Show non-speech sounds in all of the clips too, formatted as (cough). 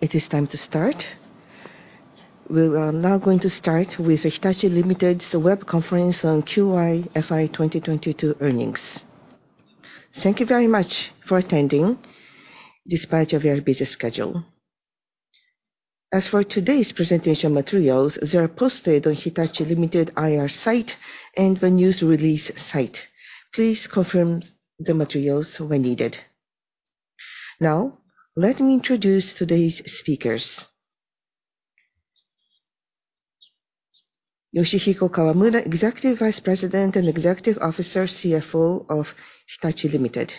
It is time to start. We are now going to start with Hitachi, Ltd's web conference on Q1 FY 2022 earnings. Thank you very much for attending despite your busy schedule. As for today's presentation materials, they are posted on Hitachi, Ltd IR site and the news release site. Please confirm the materials when needed. Now, let me introduce today's speakers. Yoshihiko Kawamura, Executive Vice President and Executive Officer, CFO of Hitachi, Ltd.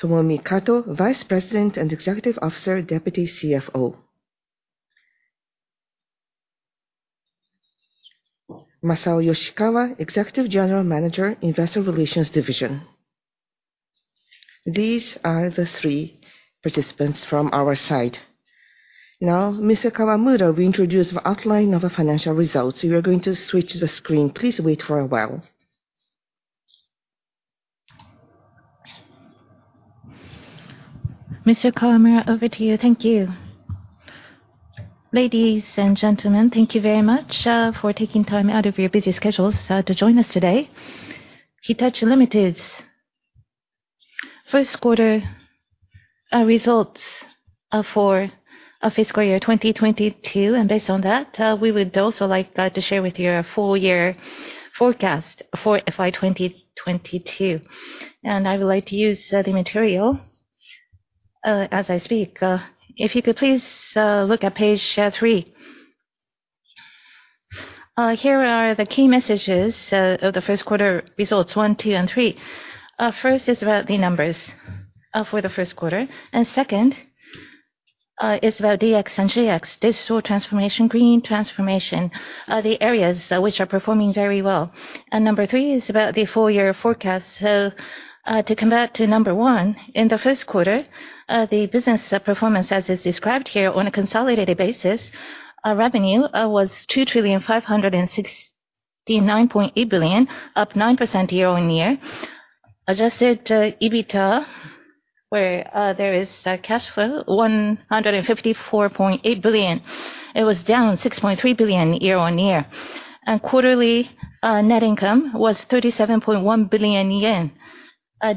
Tomomi Kato, Vice President and Executive Officer, Deputy CFO. Masao Yoshikawa, Executive General Manager, Investor Relations Division. These are the three participants from our side. Now, Mr. Kawamura will introduce the outline of the financial results. We are going to switch the screen. Please wait for a while. Mr. Kawamura, over to you. Thank you. Ladies and gentlemen, thank you very much for taking time out of your busy schedules to join us today. Hitachi, Ltd's first quarter results for fiscal year 2022, and based on that, we would also like to share with you our full year forecast for FY 2022. I would like to use the material as I speak. If you could please look at page three. Here are the key messages of the first quarter results one, two, and three. First is about the numbers for the first quarter. Second is about DX and GX, digital transformation, green transformation, the areas which are performing very well. Number three is about the full year forecast. To come back to number one, in the first quarter, the business performance, as is described here on a consolidated basis, revenue was 2,569.8 billion, up 9% year-on-year. Adjusted EBITDA was 154.8 billion. It was down 6.3 billion year-on-year. Quarterly net income was 37.1 billion yen,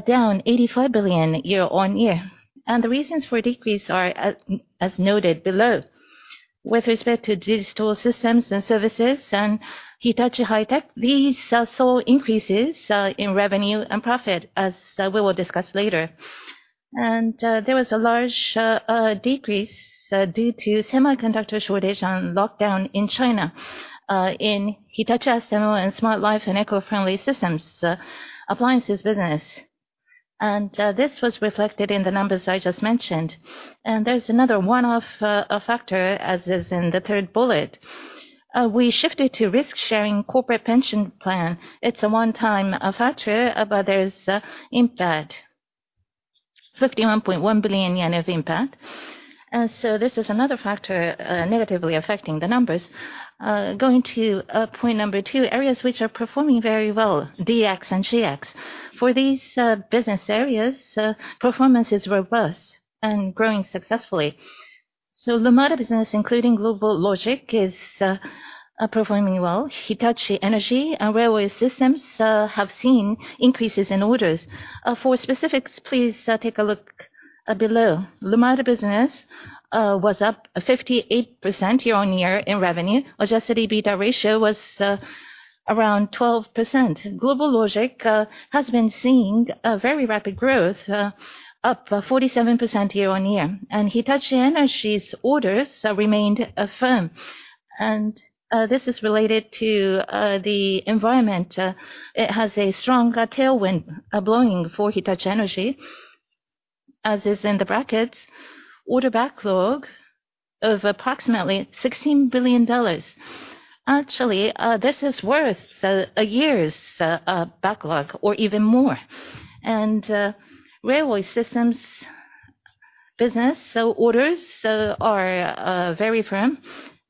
down 85 billion year-on-year. The reasons for decrease are as noted below. With respect to Digital Systems & Services and Hitachi High-Tech, these saw increases in revenue and profit, as we will discuss later. There was a large decrease due to semiconductor shortage and lockdown in China in Hitachi Astemo and Smart Life & Ecofriendly Systems appliances business. This was reflected in the numbers I just mentioned. There's another one-off factor, as is in the third bullet. We shifted to risk-sharing corporate pension plan. It's a one-time factor, but there's impact, 51.1 billion yen of impact. This is another factor negatively affecting the numbers. Going to point number two, areas which are performing very well, DX and GX. For these business areas, performance is robust and growing successfully. Lumada business, including GlobalLogic, is performing well. Hitachi Energy and Railway Systems have seen increases in orders. For specifics, please take a look below. Lumada business was up 58% year-on-year in revenue. Adjusted EBITDA ratio was around 12%. GlobalLogic has been seeing a very rapid growth up 47% year-on-year. Hitachi Energy's orders remained firm. This is related to the environment. It has a strong tailwind blowing for Hitachi Energy, as is in the brackets, order backlog of approximately $16 billion. Actually, this is worth a year's backlog or even more. Railway Systems business orders are very firm.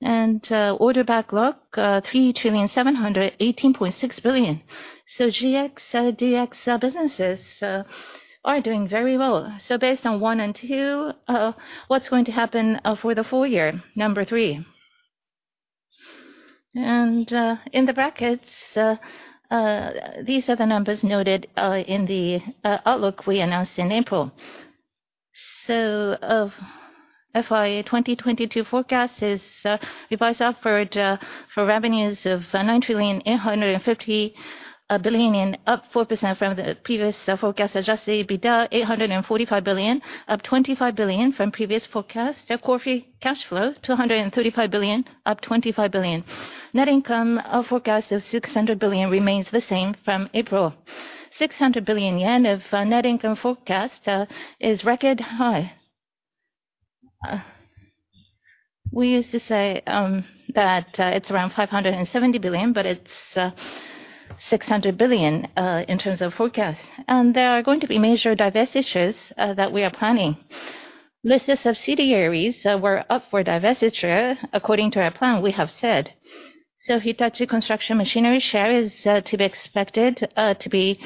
Order backlog 3,718.6 billion. GX, DX businesses are doing very well. Based on one and two, what's going to happen for the full year, number three. In the brackets, these are the numbers noted in the outlook we announced in April. FY 2022 forecast is revised upward for revenues of 9.85 trillion, up 4% from the previous forecast. Adjusted EBITDA, 845 billion, up 25 billion from previous forecast. Core free cash flow, 235 billion, up 25 billion. Net income, our forecast of 600 billion remains the same from April. 600 billion yen of net income forecast is record high. We used to say that it's around 570 billion, but it's 600 billion in terms of forecast. There are going to be major divestitures that we are planning. List of subsidiaries were up for divestiture according to our plan we have set. Hitachi Construction Machinery share is to be expected to be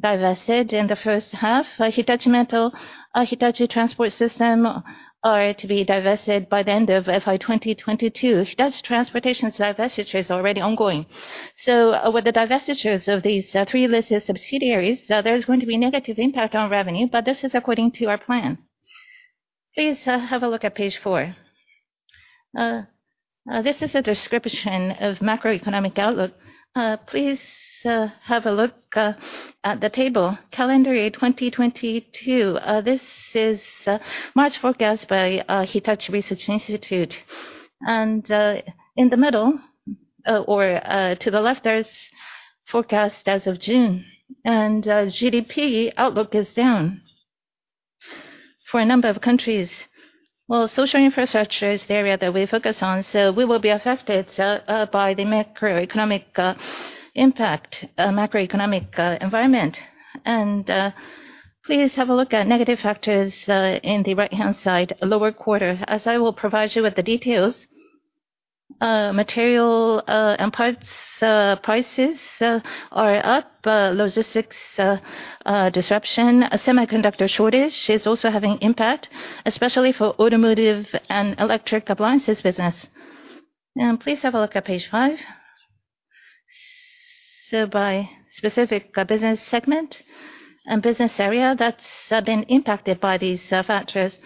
divested in the first half. Hitachi Metals, Hitachi Transport System are to be divested by the end of FY 2022. Hitachi Transport System's divestiture is already ongoing. With the divestitures of these three listed subsidiaries, there's going to be negative impact on revenue, but this is according to our plan. Please have a look at page four. This is a description of macroeconomic outlook. Please have a look at the table. Calendar year 2022, this is March forecast by Hitachi Research Institute. In the middle or to the left, there's forecast as of June. GDP outlook is down for a number of countries. Well, social infrastructure is the area that we focus on, so we will be affected by the macroeconomic environment. Please have a look at negative factors in the right-hand side, lower quarter, as I will provide you with the details. Material and parts prices are up. Logistics disruption. Semiconductor shortage is also having impact, especially for automotive and electric appliances business. Please have a look at page five. By specific business segment and business area that's been impacted by these factors.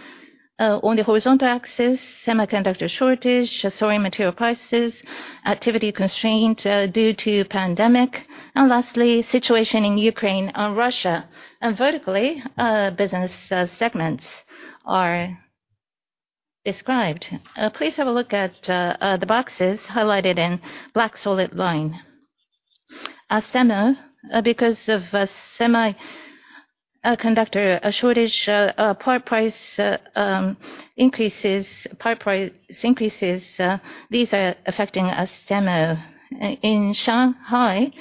On the horizontal axis, semiconductor shortage, soaring material prices, activity constraint due to pandemic, and lastly, situation in Ukraine and Russia. Vertically, business segments are described. Please have a look at the boxes highlighted in black solid line. Astemo, because of a semiconductor shortage, part price increases, these are affecting Astemo. In Shanghai,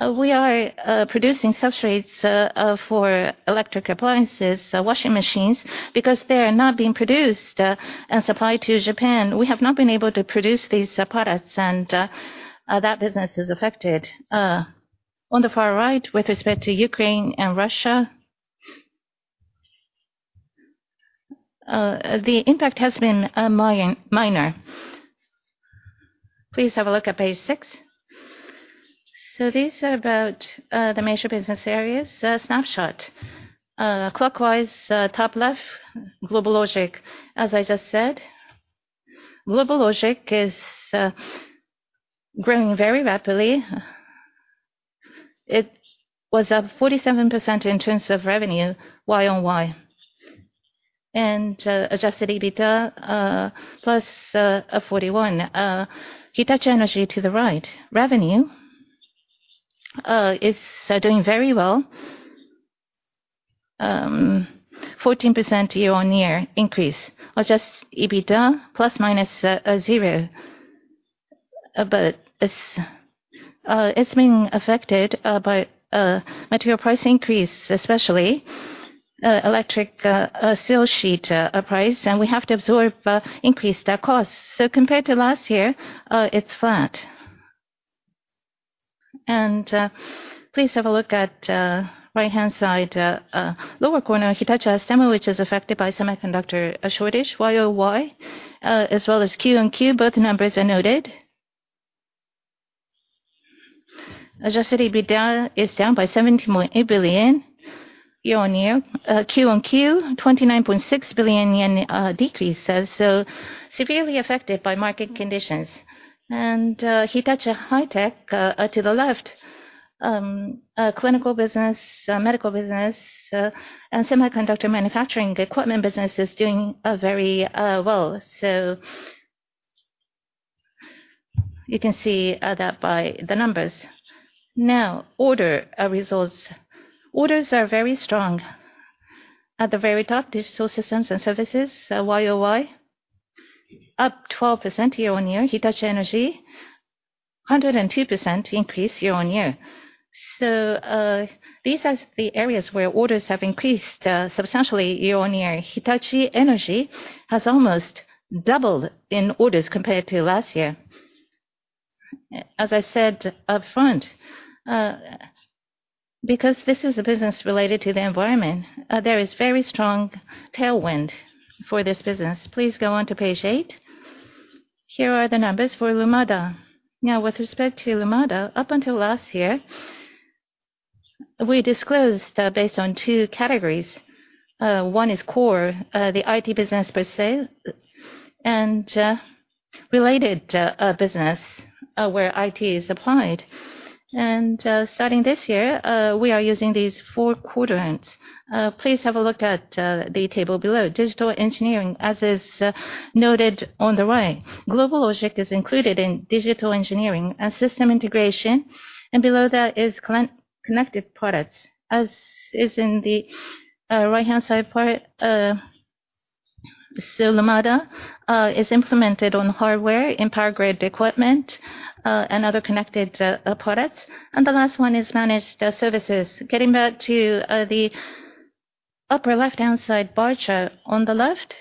we are producing substrates for electric appliances, so washing machines. Because they are not being produced and supplied to Japan, we have not been able to produce these products, and that business is affected. On the far right, with respect to Ukraine and Russia, the impact has been minor. Please have a look at page six. These are about the major business areas snapshot. Clockwise, top left, GlobalLogic. As I just said, GlobalLogic is growing very rapidly. It was up 47% in terms of revenue year-on-year. Adjusted EBITDA +41%. Hitachi Energy to the right. Revenue is doing very well, 14% year-on-year increase. Adjusted EBITDA ±0%. It's being affected by material price increase, especially electrical steel sheet price, and we have to absorb increased costs. Compared to last year, it's flat. Please have a look at right-hand side lower corner, Hitachi Astemo, which is affected by semiconductor shortage year-on-year as well as quarter-on-quarter, both numbers are noted. Adjusted EBITDA is down by 70.8 billion year-on-year. Quarter-on-quarter, 29.6 billion yen decrease. Severely affected by market conditions. Hitachi High-Tech, to the left, clinical business, medical business, and semiconductor manufacturing equipment business is doing very well. You can see that by the numbers. Now, order results. Orders are very strong. At the very top, Digital Systems & Services, YoY, up 12% year-over-year. Hitachi Energy, 102% increase year-over-year. These are the areas where orders have increased substantially year-over-year. Hitachi Energy has almost doubled in orders compared to last year. As I said up front, because this is a business related to the environment, there is very strong tailwind for this business. Please go on to page eight. Here are the numbers for Lumada. Now, with respect to Lumada, up until last year, we disclosed based on two categories. One is core, the IT business per se, and related business where IT is applied. Starting this year, we are using these four quadrants. Please have a look at the table below. Digital engineering, as is noted on the right. GlobalLogic is included in digital engineering. System integration. Below that is connected products. As is in the right-hand side part, Lumada is implemented on hardware and power grid equipment, and other connected products. The last one is managed services. Getting back to the upper left-hand side bar chart. On the left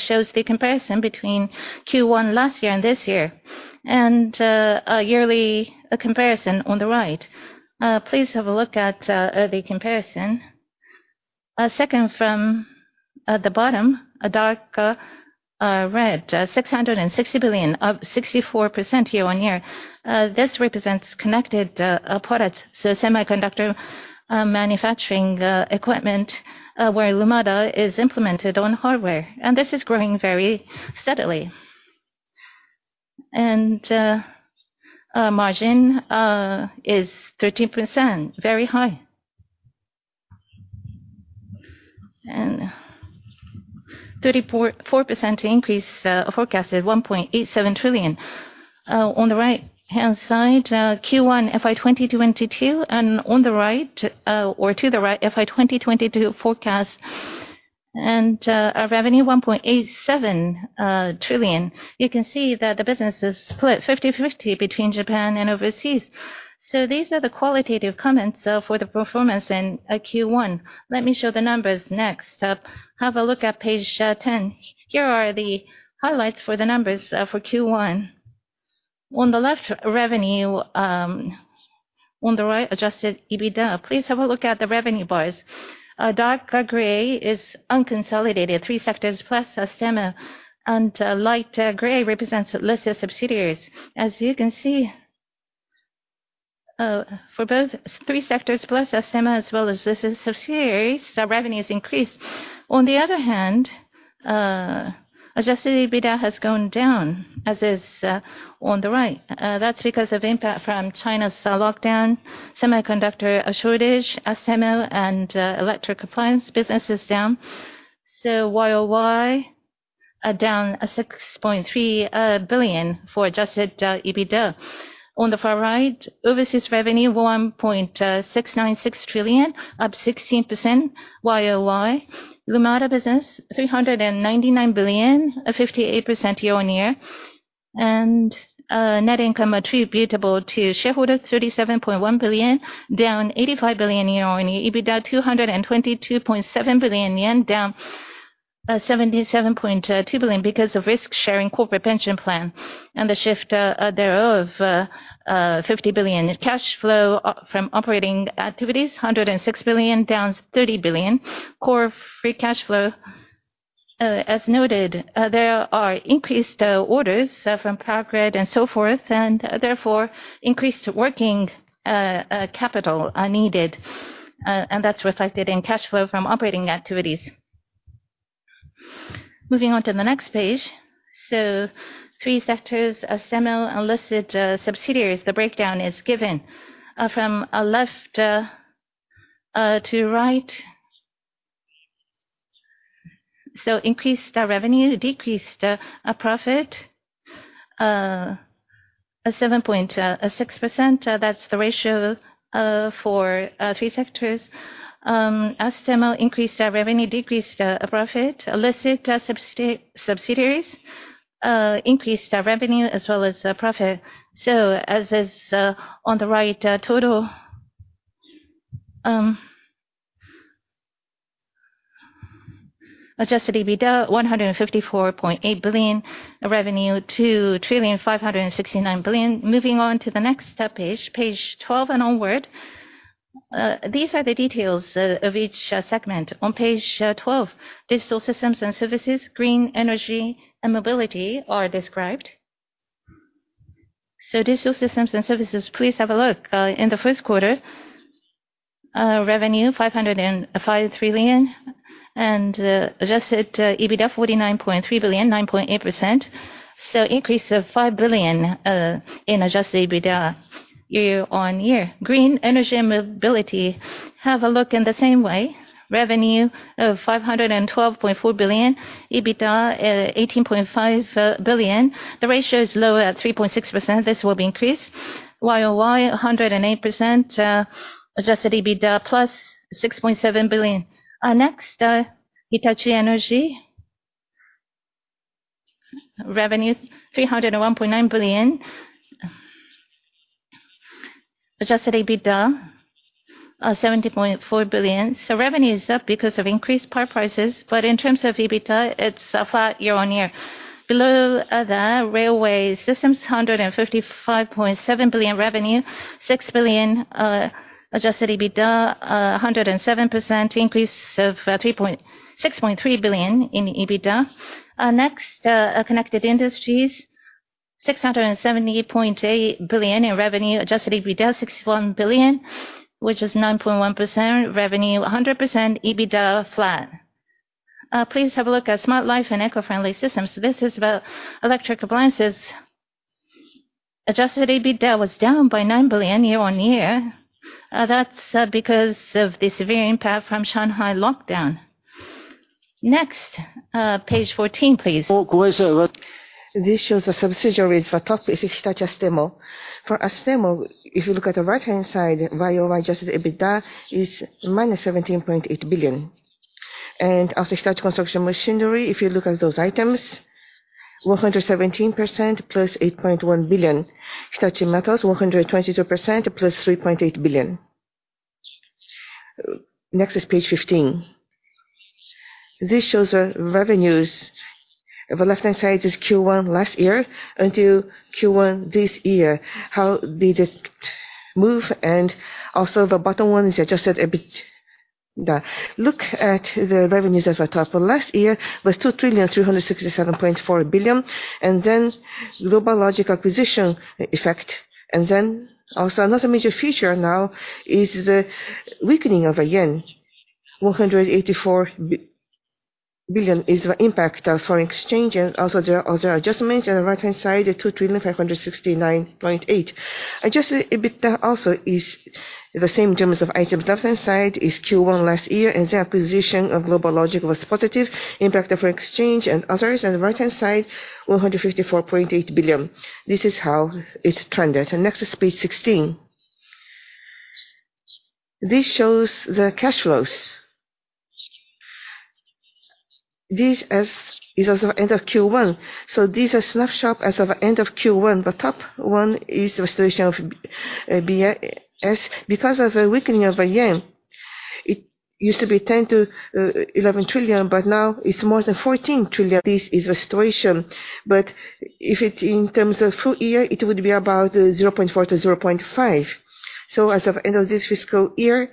shows the comparison between Q1 last year and this year, and a yearly comparison on the right. Please have a look at the comparison. Second from the bottom, a darker red, 660 billion, up 64% year-on-year. This represents connected products, so semiconductor manufacturing equipment where Lumada is implemented on hardware. This is growing very steadily. Margin is 13%, very high. 34% increase forecasted 1.87 trillion. On the right-hand side Q1 FY 2022, and on the right, or to the right, FY 2022 forecast and our revenue 1.87 trillion. You can see that the business is split 50/50 between Japan and overseas. These are the qualitative comments for the performance in Q1. Let me show the numbers next. Have a look at page 10. Here are the highlights for the numbers for Q1. On the left, revenue, on the right, adjusted EBITDA. Please have a look at the revenue bars. Darker gray is unconsolidated, three sectors plus Astemo. Light gray represents listed subsidiaries. As you can see, for both three sectors plus Astemo as well as listed subsidiaries, our revenue has increased. On the other hand, adjusted EBITDA has gone down, as it is on the right. That's because of impact from China's lockdown, semiconductor shortage, Astemo and electric appliance business is down. YoY are down 6.3 billion for adjusted EBITDA. On the far right, overseas revenue 1.696 trillion, up 16% YoY. Lumada business 399 billion, 58% year-on-year. Net income attributable to shareholders 37.1 billion, down 85 billion yen year-on-year. EBITDA 222.7 billion yen, down 77.2 billion because of risk-sharing corporate pension plan and the shift thereof 50 billion. Cash flow from operating activities 106 billion, down 30 billion. Core free cash flow, as noted, there are increased orders from power grid and so forth and therefore increased working capital are needed, and that's reflected in cash flow from operating activities. Moving on to the next page. Three sectors, Astemo unlisted subsidiaries, the breakdown is given. From left to right. Increased our revenue, decreased profit 7.6%, that's the ratio for three sectors. Astemo increased our revenue, decreased profit. Unlisted subsidiaries increased our revenue as well as profit. As is, on the right, total adjusted EBITDA 154.8 billion. Revenue 2,569 billion. Moving on to the next page twelve and onward. These are the details of each segment. On page twelve, Digital Systems & Services, Green Energy & Mobility are described. Digital Systems & Services, please have a look. In the first quarter, revenue 505 billion and adjusted EBITDA 49.3 billion, 9.8%. Increase of 5 billion in adjusted EBITDA year-on-year. Green Energy & Mobility, have a look in the same way. Revenue of 512.4 billion, EBITDA 18.5 billion. The ratio is lower at 3.6%. This will be increased. YoY 108%. Adjusted EBITDA +6.7 billion. Next, Hitachi Energy. Revenue 301.9 billion. Adjusted EBITDA 70.4 billion. Revenue is up because of increased power prices, but in terms of EBITDA, it's flat year-over-year. Below other, Railway Systems, 155.7 billion revenue, 6 billion adjusted EBITDA, 107% increase of 6.3 billion in EBITDA. Next, Connected Industries, 670.8 billion in revenue. Adjusted EBITDA 61 billion, which is 9.1% revenue, 100% EBITDA flat. Please have a look at Smart Life & Ecofriendly Systems. This is about electric appliances. Adjusted EBITDA was down by 9 billion year-over-year. That's because of the severe impact from Shanghai lockdown. Next, page 14, please. This shows the subsidiaries. The top is Hitachi Astemo. For Astemo, if you look at the right-hand side, YoY adjusted EBITDA is -17.8 billion. Hitachi Construction Machinery, if you look at those items, 117% + 8.1 billion. Hitachi Metals, 122% + 3.8 billion. Next is page 15. This shows the revenues. The left-hand side is Q1 last year until Q1 this year, how did it move, and also the bottom one is adjusted EBITDA. Look at the revenues at the top. Last year was 2,367.4 billion. GlobalLogic acquisition effect. Another major feature now is the weakening of the yen. 184 billion is the impact of foreign exchange and also the other adjustments. On the right-hand side are 2,569.8 billion. Adjusted EBITDA also is the same terms of items. Left-hand side is Q1 last year, and the acquisition of GlobalLogic was positive. Impact of foreign exchange and others on the right-hand side, 154.8 billion. This is how it's trended. Next is page 16. This shows the cash flows. This is as of end of Q1, so these are snapshot as of end of Q1. The top one is the situation of BS. Because of the weakening of the yen, it used to be 10 trillion-11 trillion, but now it's more than 14 trillion. This is the situation. If it in terms of full year, it would be about 0.4 trillion-0.5 trillion. As of end of this fiscal year,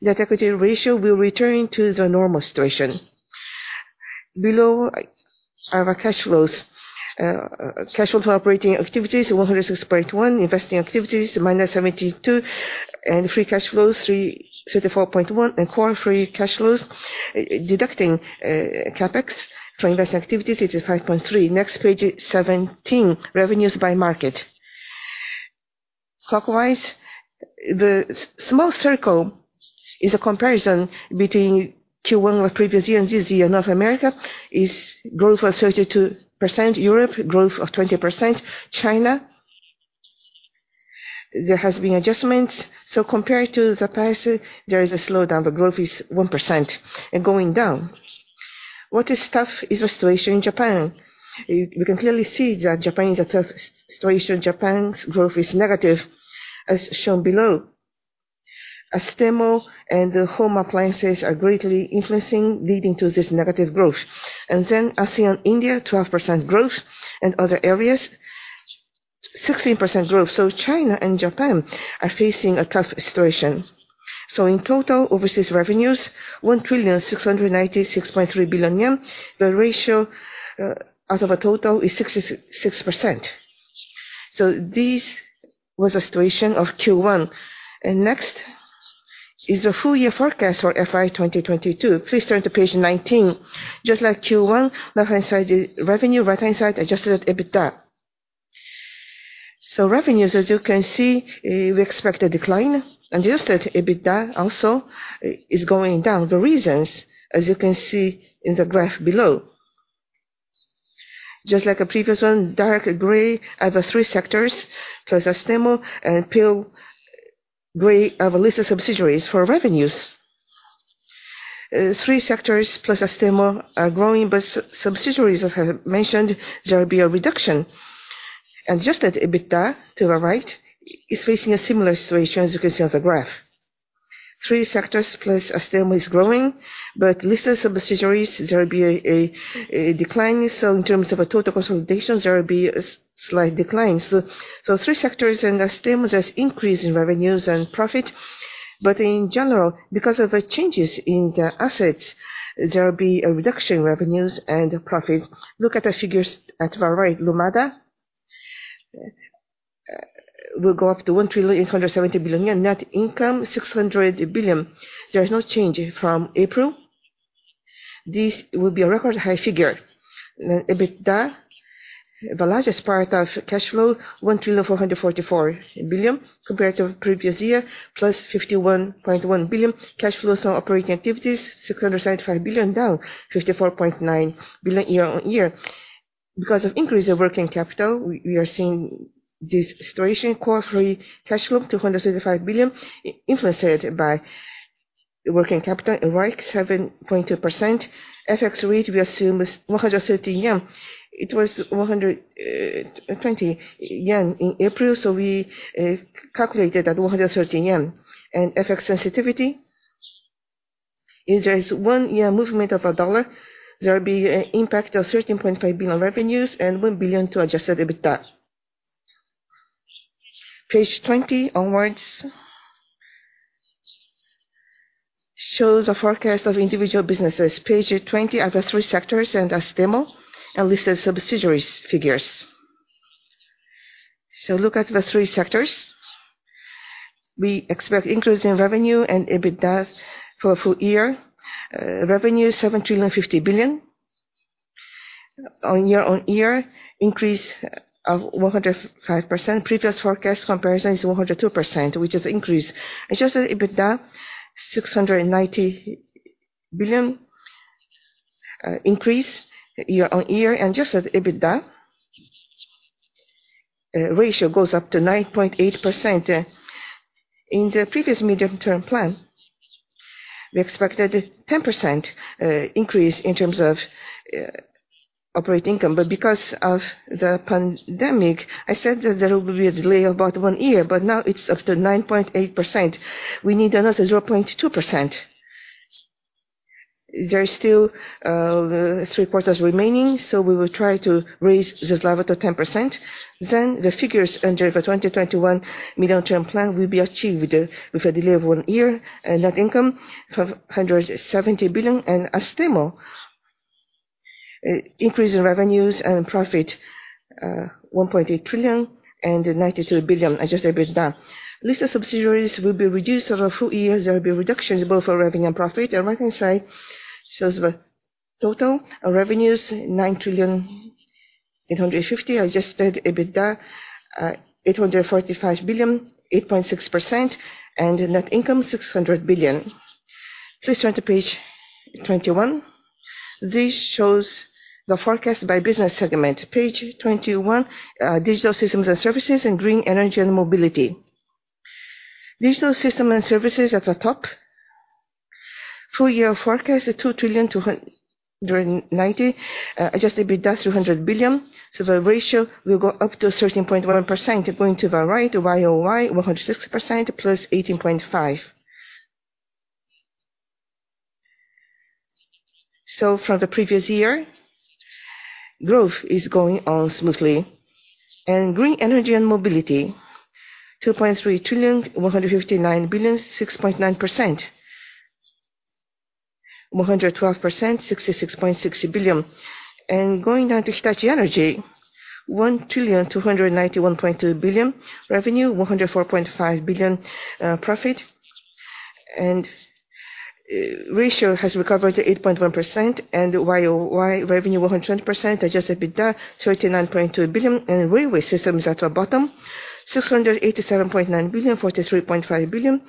net equity ratio will return to the normal situation. Below are the cash flows. Cash flow from operating activities, 106.1 billion. Investing activities, -72 billion. Free cash flows, 34.1 billion. Core free cash flows, deducting CapEx from investment activities, it is 5.3 billion. Next page, 17, revenues by market. Clockwise, the small circle is a comparison between Q1 of previous year and this year. North America is growth of 32%. Europe, growth of 20%. China, there has been adjustments, so compared to the past, there is a slowdown. The growth is 1% and going down. What is tough is the situation in Japan. You can clearly see that Japan is a tough situation. Japan's growth is negative as shown below. Astemo and the home appliances are greatly influencing, leading to this negative growth. ASEAN, India, 12% growth and other areas, 16% growth. China and Japan are facing a tough situation. In total, overseas revenues, 1,696.3 billion yen. The ratio out of a total is 66%. This was the situation of Q1. Next is the full year forecast for FY 2022. Please turn to page 19. Just like Q1, left-hand side is revenue, right-hand side, adjusted EBITDA. Revenues, as you can see, we expect a decline. Adjusted EBITDA also is going down. The reasons, as you can see in the graph below. Just like the previous one, dark gray are the three sectors, plus Astemo. Pale gray are listed subsidiaries. For revenues, three sectors plus Astemo are growing, but subsidiaries, as I mentioned, there will be a reduction. Adjusted EBITDA to the right is facing a similar situation as you can see on the graph. Three sectors plus Astemo is growing, but listed subsidiaries, there will be a decline. In terms of a total consolidation, there will be a slight decline. Three sectors and Astemo, there's increase in revenues and profit, but in general, because of the changes in the assets, there will be a reduction in revenues and profit. Look at the figures at the right. Lumada will go up to 1,870 billion yen. Net income, 600 billion. There is no change from April. This will be a record high figure. EBITDA, the largest part of cash flow, 1,444 billion compared to previous year, +51.1 billion. Cash flows from operating activities, 675 billion, down 54.9 billion year on year. Because of increase in working capital, we are seeing this situation. Core free cash flow, 235 billion, influenced by working capital and ROIC 7.2%. FX rate we assume is 130 yen. It was 120 yen in April, so we calculated at 130 yen. FX sensitivity, if there is 1 movement of a dollar, there will be an impact of 13.5 billion revenues and 1 billion to adjusted EBITDA. Page 20 onwards shows a forecast of individual businesses. Page 20 are the three sectors and Astemo, and listed subsidiaries figures. Look at the three sectors. We expect increase in revenue and EBITDA for a full year. Revenue, 7,050 billion. Year-on-year increase of 105%. Previous forecast comparison is 102%, which is increase. Adjusted EBITDA, JPY 690 billion, year-on-year increase, and adjusted EBITDA ratio goes up to 9.8%. In the previous medium-term plan, we expected 10% increase in terms of operating income. Because of the pandemic, I said that there will be a delay of about one year, but now it's up to 9.8%. We need another 0.2%. There are still three quarters remaining, so we will try to raise this level to 10%. The figures under the 2021 medium-term plan will be achieved with a delay of one year. Net income, 570 billion. Astemo increase in revenues and profit, 1.8 trillion and 92 billion adjusted EBITDA. Losses of subsidiaries will be reduced over full year. There will be reductions both for revenue and profit. The right-hand side shows the total revenues, 9.85 trillion. Adjusted EBITDA, 845 billion, 8.6%, and net income, 600 billion. Please turn to page 21. This shows the forecast by business segment. Page 21, Digital Systems & Services and Green Energy & Mobility. Digital Systems & Services at the top. Full year forecast is 2.290 trillion. Adjusted EBITDA is 300 billion, so the ratio will go up to 13.1%. Going to the right, YoY 160% +18.5%. From the previous year, growth is going on smoothly. Green Energy & Mobility, 2.3 trillion, 159 billion, 6.9%. 112%, 66.6 billion. Going down to Hitachi Energy, 1,291.2 billion revenue, 104.5 billion profit. Ratio has recovered to 8.1% and YoY revenue 110%, adjusted EBITDA 39.2 billion. Railway Systems is at the bottom, 687.9 billion, 43.5 billion,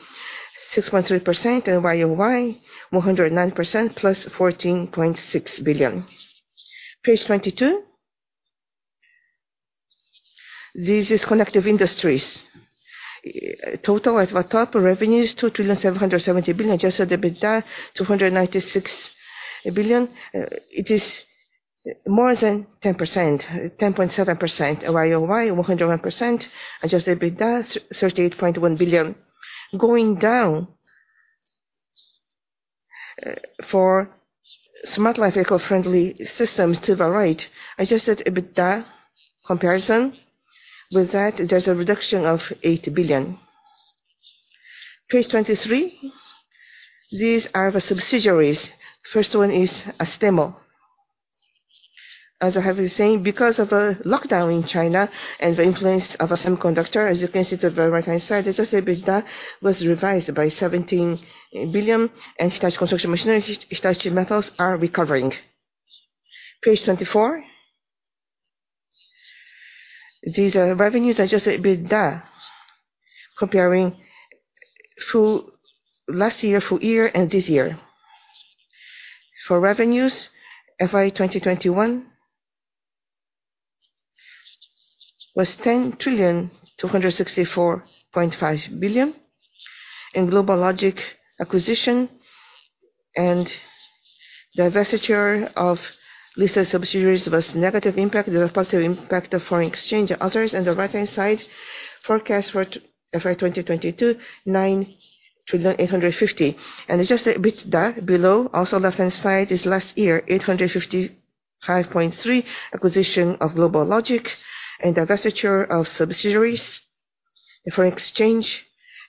6.3% and YoY 109% + 14.6 billion. Page 22. This is Connective Industries. Total at the top, revenues 2,770 billion, adjusted EBITDA 296 billion. It is more than 10%, 10.7%. YoY 101%, adjusted EBITDA 38.1 billion. Going down, for Smart Life & Ecofriendly Systems to the right, adjusted EBITDA comparison. With that, there's a reduction of 8 billion. Page 23. These are the subsidiaries. First one is Astemo. As I have been saying, because of the lockdown in China and the influence of a semiconductor, as you can see to the very right-hand side, adjusted EBITDA was revised by 17 billion, and Hitachi Construction Machinery, Hitachi Metals are recovering. Page 24. These are revenues adjusted EBITDA comparing full, last year full year and this year. For revenues, FY 2021 was JPY 10,264.5 billion. In GlobalLogic acquisition and the divestiture of listed subsidiaries was negative impact. There's a positive impact of foreign exchange and others. The right-hand side, forecast for FY 2022, 9,850 billion. Adjusted EBITDA below, also left-hand side is last year, 855.3. Acquisition of GlobalLogic and divestiture of subsidiaries for foreign exchange.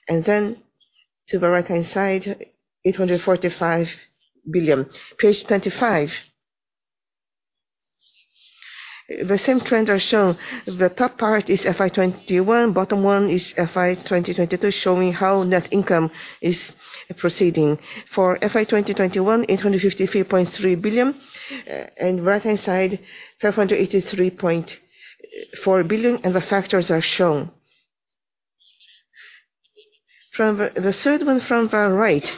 To the right-hand side, 845 billion. Page 25. The same trends are shown. The top part is FY 2021, bottom one is FY 2022, showing how net income is proceeding. For FY 2021, 855.3 billion, and right-hand side, 583.4 billion, and the factors are shown. From the third one from the right,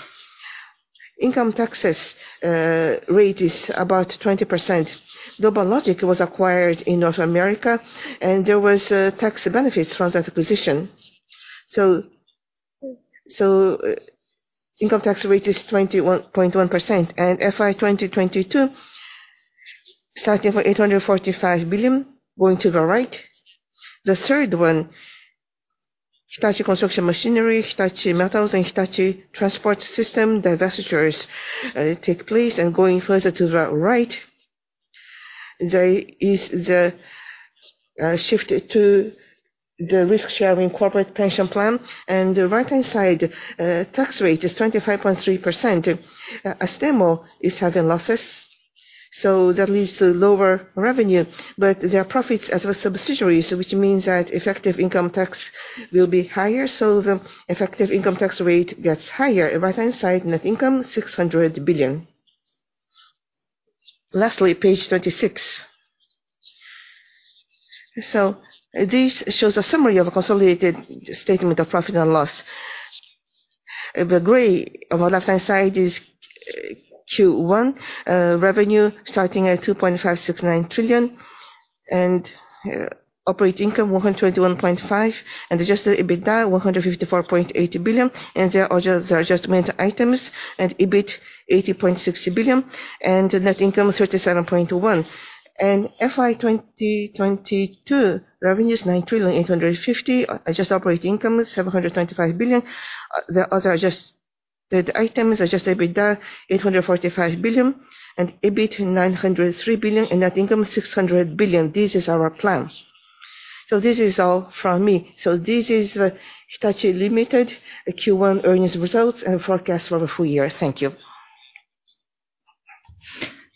income taxes rate is about 20%. GlobalLogic was acquired in North America, and there was tax benefits from that acquisition. Income tax rate is 21.1%. FY 2022, starting from 845 billion, going to the right. The third one, Hitachi Construction Machinery, Hitachi Metals, and Hitachi Transport System divestitures take place. Going further to the right, there is the shift to the risk-sharing corporate pension plan. The right-hand side, tax rate is 25.3%. Astemo is having losses, so that leads to lower revenue. There are profits at the subsidiaries, which means that effective income tax will be higher, so the effective income tax rate gets higher. Right-hand side, net income, 600 billion. Lastly, page 26. This shows a summary of a consolidated statement of profit and loss. The gray on the left-hand side is Q1, revenue starting at 2.569 trillion, and operating income 121.5 billion, and adjusted EBITDA 154.80 billion. There are adjustment items and EBIT 80.60 billion, and net income 37.1 billion. FY 2022 revenues 9.85 trillion. Adjusted operating income is 725 billion. The other adjusted items, adjusted EBITDA 845 billion, and EBIT 903 billion, and net income 600 billion. This is our plan. This is all from me. This is Hitachi, Ltd Q1 earnings results and forecast for the full year. Thank you.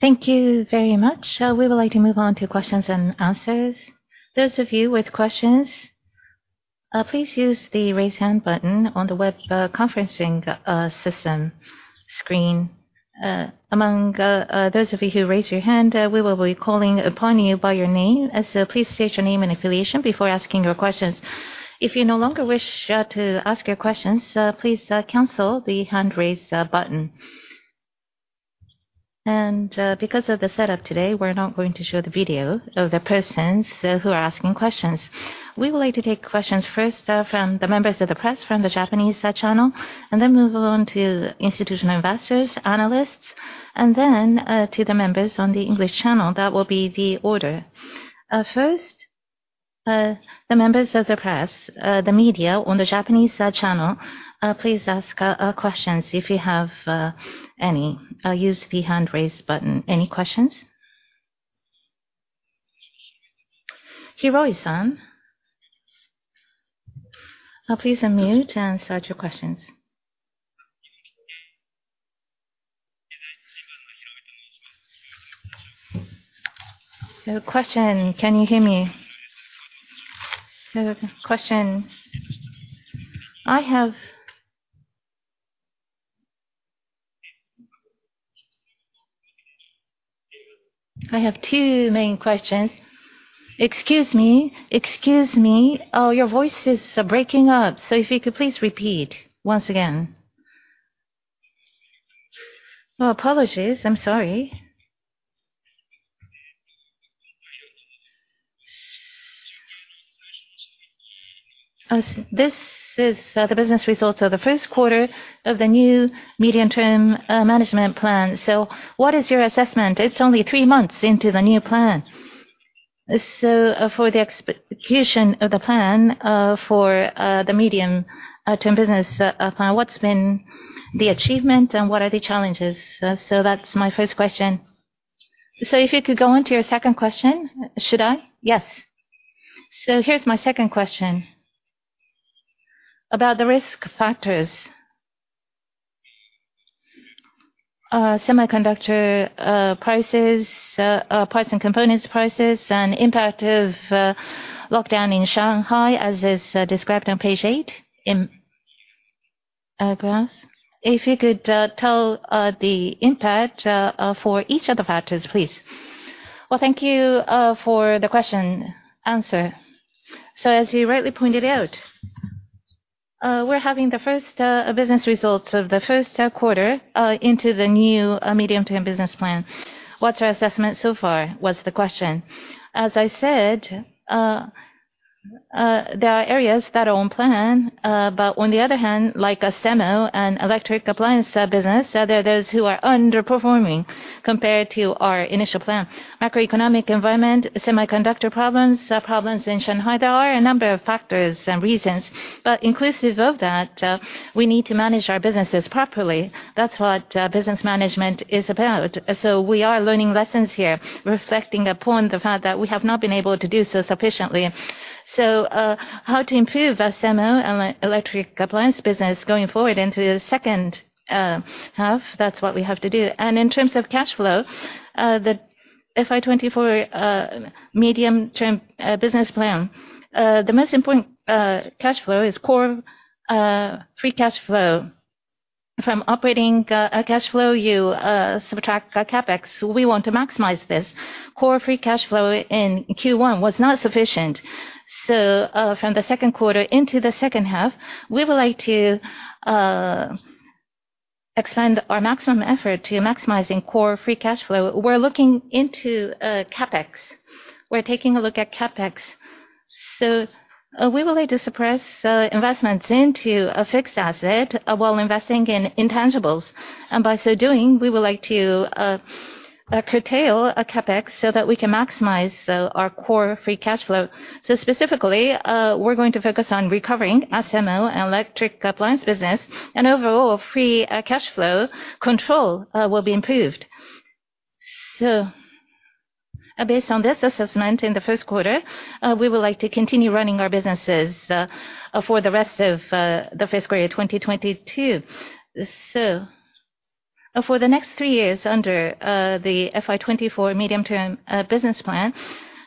Thank you very much. We would like to move on to questions and answers. Those of you with questions, please use the raise hand button on the web conferencing system screen. Among those of you who raised your hand, we will be calling upon you by your name, as so please state your name and affiliation before asking your questions. If you no longer wish to ask your questions, please cancel the hand raise button. Because of the setup today, we're not going to show the video of the persons who are asking questions. We would like to take questions first from the members of the press from the Japanese channel, and then move on to institutional investors, analysts, and then to the members on the English channel. That will be the order. First, the members of the press, the media on the Japanese channel, please ask questions if you have any. Use the hand raise button. Any questions? Hiroi-san, please unmute and start your questions. Question. Can you hear me? The question I have. I have two main questions. Excuse me. Excuse me. Your voice is breaking up, so if you could please repeat once again. Apologies. I'm sorry. As this is the business results of the first quarter of the new mid-term management plan. What is your assessment? It's only three months into the new plan. For the execution of the plan, for the mid-term business plan, what's been the achievement and what are the challenges? That's my first question. If you could go on to your second question. Should I? Yes. Here's my second question about the risk factors. Semiconductor prices, parts and components prices, and impact of lockdown in Shanghai, as is described on page eight in graphs. If you could tell the impact for each of the factors, please. Well, thank you for the question answer. As you rightly pointed out, we're having the first business results of the first quarter into the new medium-term business plan. What's our assessment so far, was the question. As I said, there are areas that are on plan. On the other hand, like Astemo and electric appliance business, there are those who are underperforming compared to our initial plan. Macroeconomic environment, semiconductor problems in Shanghai. There are a number of factors and reasons, but inclusive of that, we need to manage our businesses properly. That's what business management is about. We are learning lessons here, reflecting upon the fact that we have not been able to do so sufficiently. How to improve Astemo and electric appliance business going forward into the second half, that's what we have to do. In terms of cash flow, the FY 2024 medium-term business plan, the most important cash flow is core free cash flow. From operating cash flow, you subtract CapEx. We want to maximize this. Core free cash flow in Q1 was not sufficient. From the second quarter into the second half, we would like to expend our maximum effort to maximizing core free cash flow. We're looking into CapEx. We're taking a look at CapEx. We would like to suppress investments into a fixed asset while investing in intangibles. By so doing, we would like to curtail a CapEx so that we can maximize our core free cash flow. Specifically, we're going to focus on recovering Astemo and electric appliance business and overall free cash flow control will be improved. Based on this assessment in the first quarter, we would like to continue running our businesses for the rest of the fiscal year 2022. For the next three years under the FY 2024 medium-term business plan,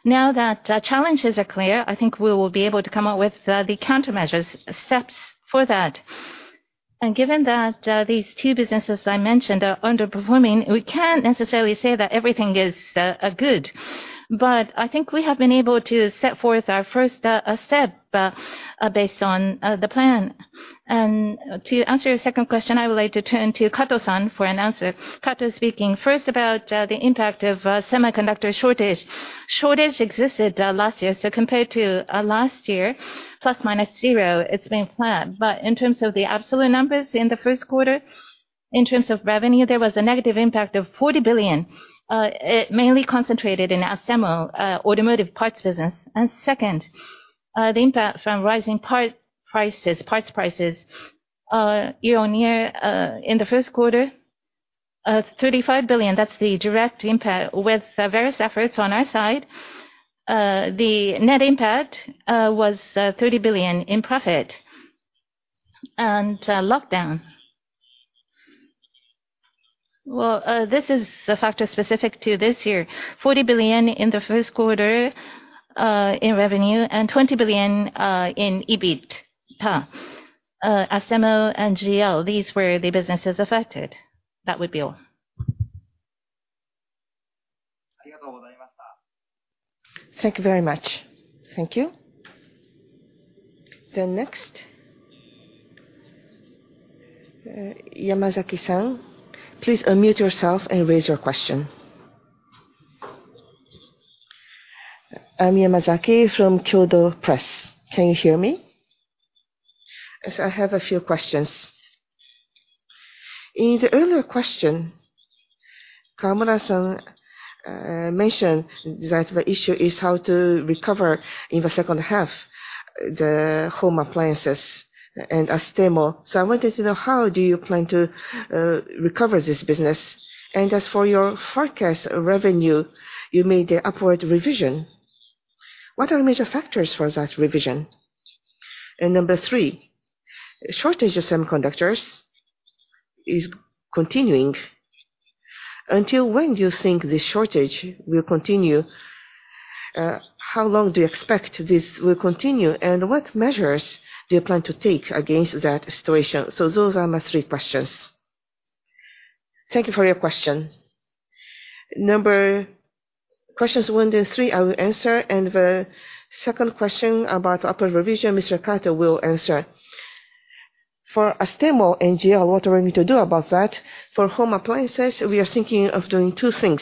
now that challenges are clear, I think we will be able to come up with the countermeasures steps for that. Given that these two businesses I mentioned are underperforming, we can't necessarily say that everything is good. I think we have been able to set forth our first step based on the plan. To answer your second question, I would like to turn to Kato-san for an answer. Kato speaking. First about the impact of semiconductor shortage. Shortage existed last year, so compared to last year, ±0%, it's been flat. But in terms of the absolute numbers in the first quarter, in terms of revenue, there was a negative impact of 40 billion. It mainly concentrated in Astemo, automotive parts business. Second, the impact from rising part prices, parts prices are year-on-year, in the first quarter of 35 billion. That's the direct impact. With various efforts on our side, the net impact was 30 billion in profit. Lockdown. Well, this is a factor specific to this year. 40 billion in the first quarter, in revenue and 20 billion, in EBIT. Astemo and GL, these were the businesses affected. That would be all. Thank you very much. Thank you. Then next. Yamazaki-san, please unmute yourself and raise your question. I'm Yamazaki from Kyodo Press. Can you hear me? Yes, I have a few questions. In the earlier question, Kawamura-san mentioned that the issue is how to recover in the second half the home appliances and Astemo. I wanted to know how do you plan to recover this business? As for your forecast revenue, you made an upward revision. What are major factors for that revision? Number three, shortage of semiconductors is continuing. Until when do you think this shortage will continue? How long do you expect this will continue, and what measures do you plan to take against that situation? Those are my three questions. Thank you for your question. Number- Questions one and three, I will answer, and the second question about upward revision, Mr. Kato will answer. For Astemo and GL, what are we to do about that? For home appliances, we are thinking of doing two things.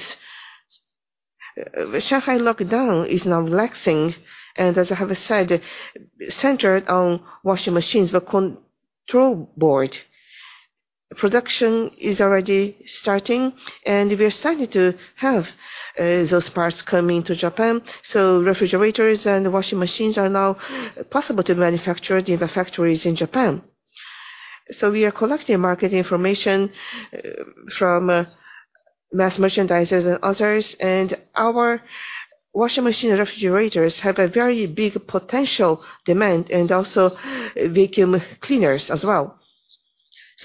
Shanghai lockdown is now relaxing, and as I have said, centered on washing machines, the control board production is already starting, and we are starting to have those parts coming to Japan. Refrigerators and washing machines are now possible to manufacture in the factories in Japan. We are collecting market information from mass merchandisers and others, and our washing machine and refrigerators have a very big potential demand and also vacuum cleaners as well.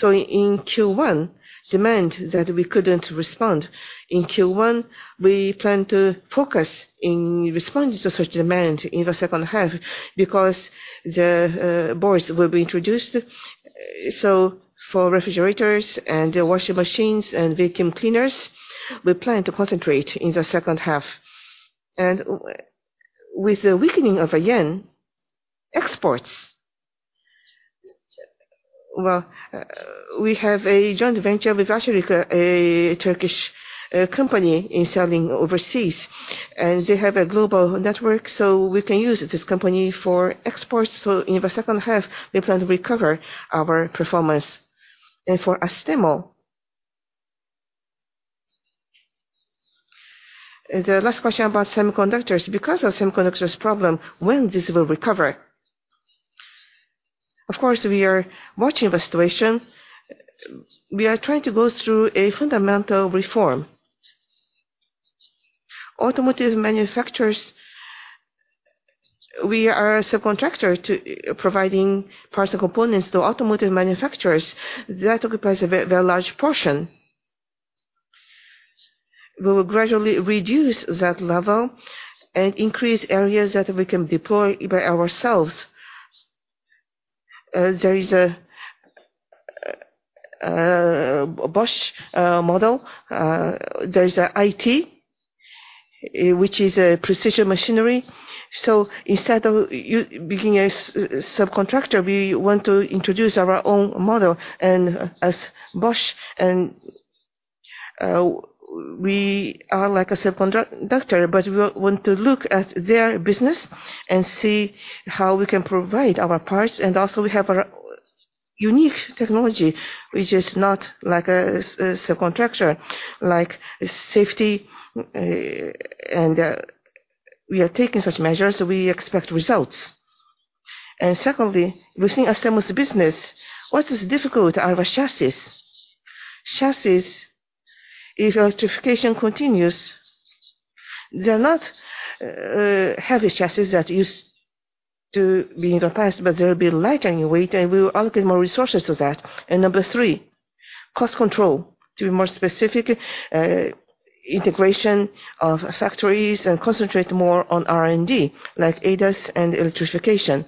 In Q1, demand that we couldn't respond. In Q1, we plan to focus in responding to such demand in the second half because the boards will be introduced. For refrigerators and washing machines and vacuum cleaners, we plan to concentrate in the second half. With the weakening of the yen, exports. We have a joint venture with Arçelik, a Turkish company in selling overseas, and they have a global network, so we can use this company for exports. In the second half, we plan to recover our performance. For Astemo. The last question about semiconductors. Because of semiconductors problem, when this will recover? Of course, we are watching the situation. We are trying to go through a fundamental reform. Automotive manufacturers, we are a subcontractor to providing parts and components to automotive manufacturers. That occupies a very large portion. We will gradually reduce that level and increase areas that we can deploy by ourselves. There is a Bosch model. There's the IT, which is a precision machinery. Instead of being a subcontractor, we want to introduce our own model and as Bosch and we are like a subcontractor, but we want to look at their business and see how we can provide our parts. Also we have our unique technology, which is not like a subcontractor, like safety, and we are taking such measures, so we expect results. Secondly, within Astemo's business, what is difficult are our chassis. Chassis, if electrification continues, they're not heavy chassis that used to be in the past, but they'll be lighter in weight, and we will allocate more resources to that. Number three, cost control. To be more specific, integration of factories and concentrate more on R&D, like ADAS and electrification.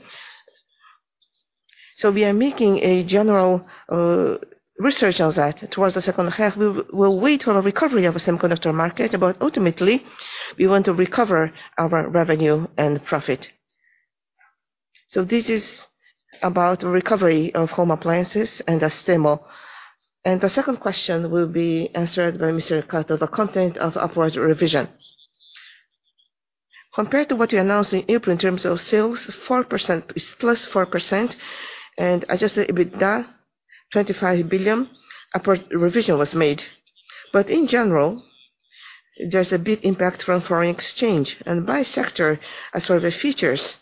We are making a general research on that towards the second half. We will wait for the recovery of the semiconductor market, but ultimately, we want to recover our revenue and profit. This is about recovery of home appliances and system. The second question will be answered by Mr. Kato, the content of upward revision. Compared to what we announced in April in terms of sales, 4% is +4% and adjusted EBITDA, 25 billion upward revision was made. In general, there's a big impact from foreign exchange. By sector, as for the features,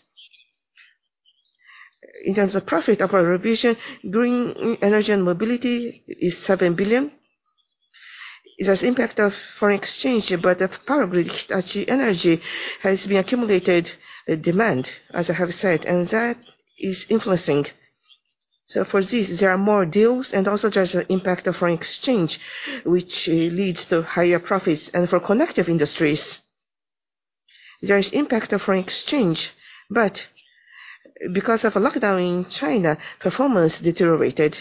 in terms of profit upward revision, Green Energy & Mobility is 7 billion. It has impact of foreign exchange, but the power grid, Hitachi Energy, has been accumulated demand, as I have said, and that is influencing. For this, there are more deals and also there's the impact of foreign exchange, which leads to higher profits. For Connective Industries, there is impact of foreign exchange, but because of a lockdown in China, performance deteriorated,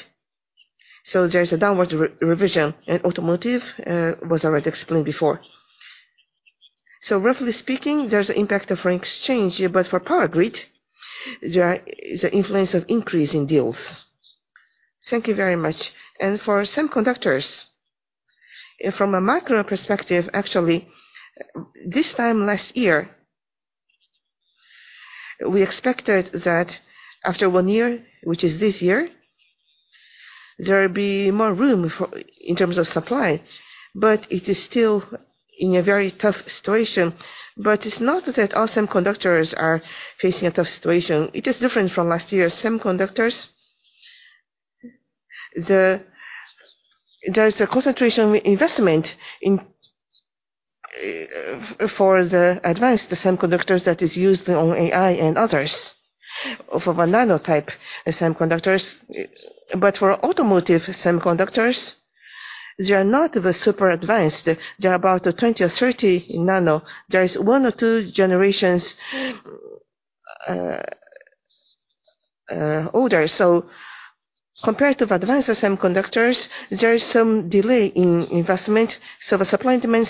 so there is a downward revision. In automotive, it was already explained before. Roughly speaking, there's impact of foreign exchange, but for power grid, there is the influence of increase in deals. Thank you very much. For semiconductors, from a macro perspective, actually, this time last year, we expected that after one year, which is this year, there'll be more room for in terms of supply, but it is still in a very tough situation. But it's not that all semiconductors are facing a tough situation. It is different from last year's semiconductors. There's a concentration investment in for the advanced semiconductors that is used on AI and others of a nano type semiconductors. But for automotive semiconductors, they are not the super advanced. They're about 20 or 30 nano. There is one or two generations older. Compared to advanced semiconductors, there is some delay in investment, so the supply and demand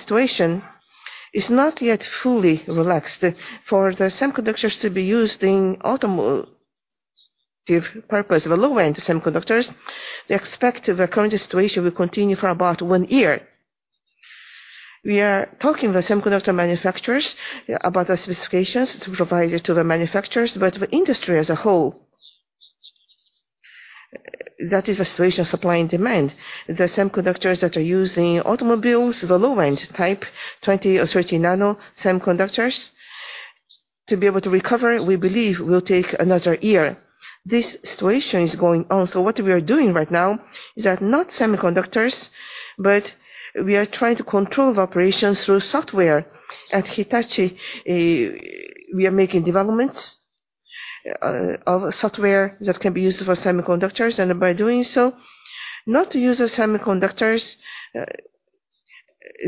situation is not yet fully relaxed. For the semiconductors to be used in automotive purpose of a low-end semiconductors, we expect the current situation will continue for about one year. We are talking with semiconductor manufacturers about the specifications to provide it to the manufacturers, but the industry as a whole, that is the situation of supply and demand. The semiconductors that are used in automobiles, the low-end type, 20 or 30 nano semiconductors. To be able to recover, we believe will take another year. This situation is going on. What we are doing right now is that not semiconductors, but we are trying to control the operations through software. At Hitachi, we are making developments of software that can be used for semiconductors. By doing so, not to use the semiconductors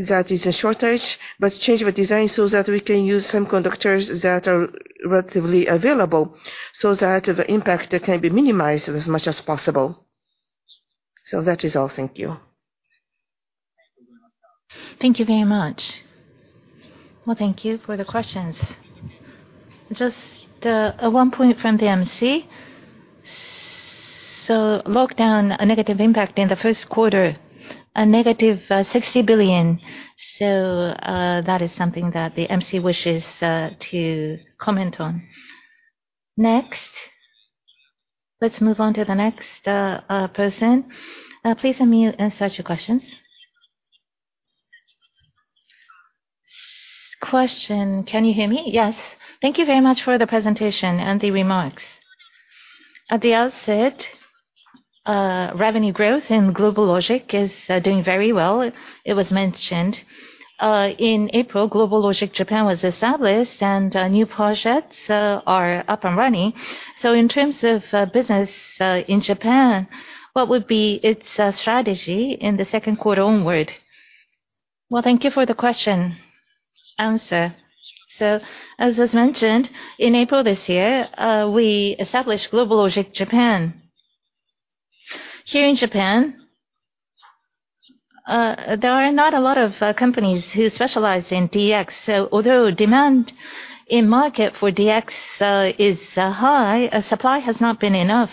that is in shortage, but change the design so that we can use semiconductors that are relatively available, so that the impact can be minimized as much as possible. That is all. Thank you. Thank you very much. Well, thank you for the questions. Just one point from the MC. Lockdown, a negative impact in the first quarter, a negative 60 billion. That is something that the MC wishes to comment on. Next. Let's move on to the next person. Please unmute and state your questions. Question. Can you hear me? Yes. Thank you very much for the presentation and the remarks. At the outset, revenue growth in GlobalLogic is doing very well, it was mentioned. In April, GlobalLogic Japan was established and new projects are up and running. In terms of business in Japan, what would be its strategy in the second quarter onward? Well, thank you for the question. Answer. As was mentioned, in April this year, we established GlobalLogic Japan. Here in Japan, there are not a lot of companies who specialize in DX. Although demand in market for DX is high, supply has not been enough.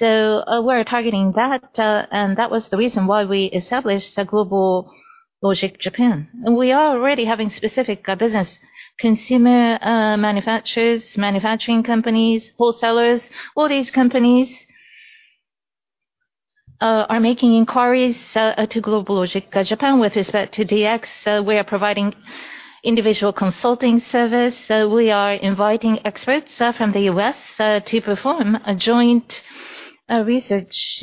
We're targeting that, and that was the reason why we established GlobalLogic Japan. We are already having specific business consumer manufacturers manufacturing companies wholesalers. All these companies are making inquiries to GlobalLogic Japan with respect to DX. We are providing individual consulting service. We are inviting experts from the U.S. to perform a joint research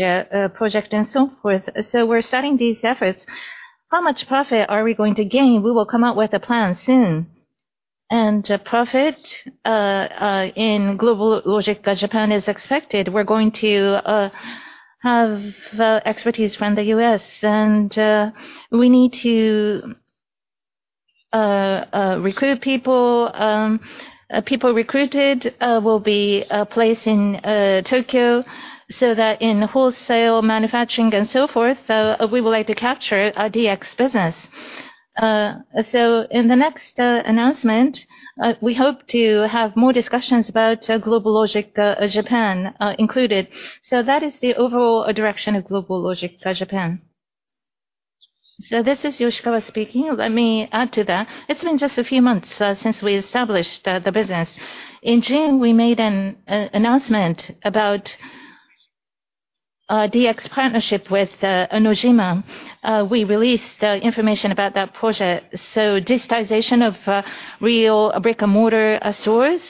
project and so forth. We're starting these efforts. How much profit are we going to gain? We will come out with a plan soon. Profit in GlobalLogic Japan is expected. We're going to have expertise from the U.S., and we need to recruit people. People recruited will be placed in Tokyo so that in wholesale manufacturing and so forth, we would like to capture our DX business. In the next announcement, we hope to have more discussions about GlobalLogic Japan included. That is the overall direction of GlobalLogic Japan. This is Yoshikawa speaking. Let me add to that. It's been just a few months since we established the business. In June, we made an announcement about DX partnership with Nojima. We released information about that project. Digitization of real brick-and-mortar stores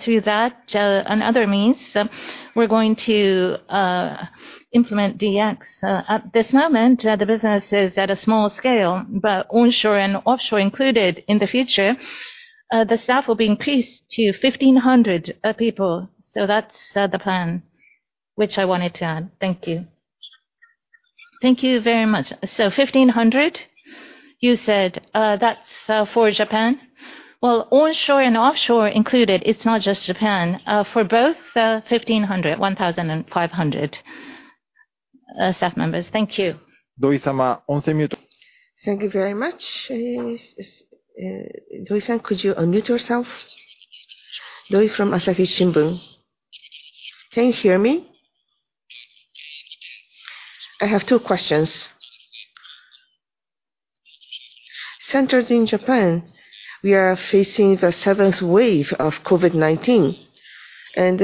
through that and other means, we're going to implement DX. At this moment, the business is at a small scale, but onshore and offshore included in the future. The staff will be increased to 1,500 people. That's the plan, which I wanted to add. Thank you. Thank you very much. 1500 you said, that's for Japan? Well, onshore and offshore included. It's not just Japan. For both, 1,500 staff members. Thank you. Thank you very much. Doi-san, could you unmute yourself? Doi from Asahi Shimbun. Can you hear me? I have two questions. Sectors in Japan, we are facing the seventh wave of COVID-19.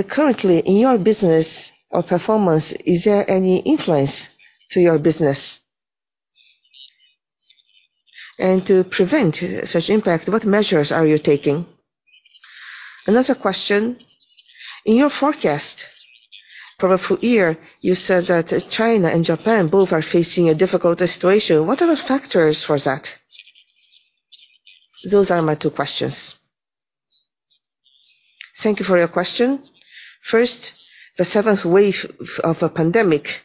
Currently in your business or performance, is there any influence to your business? And to prevent such impact, what measures are you taking? Another question. In your forecast for the full year, you said that China and Japan both are facing a difficult situation. What are the factors for that? Those are my two questions. Thank you for your question. First, the seventh wave of the pandemic.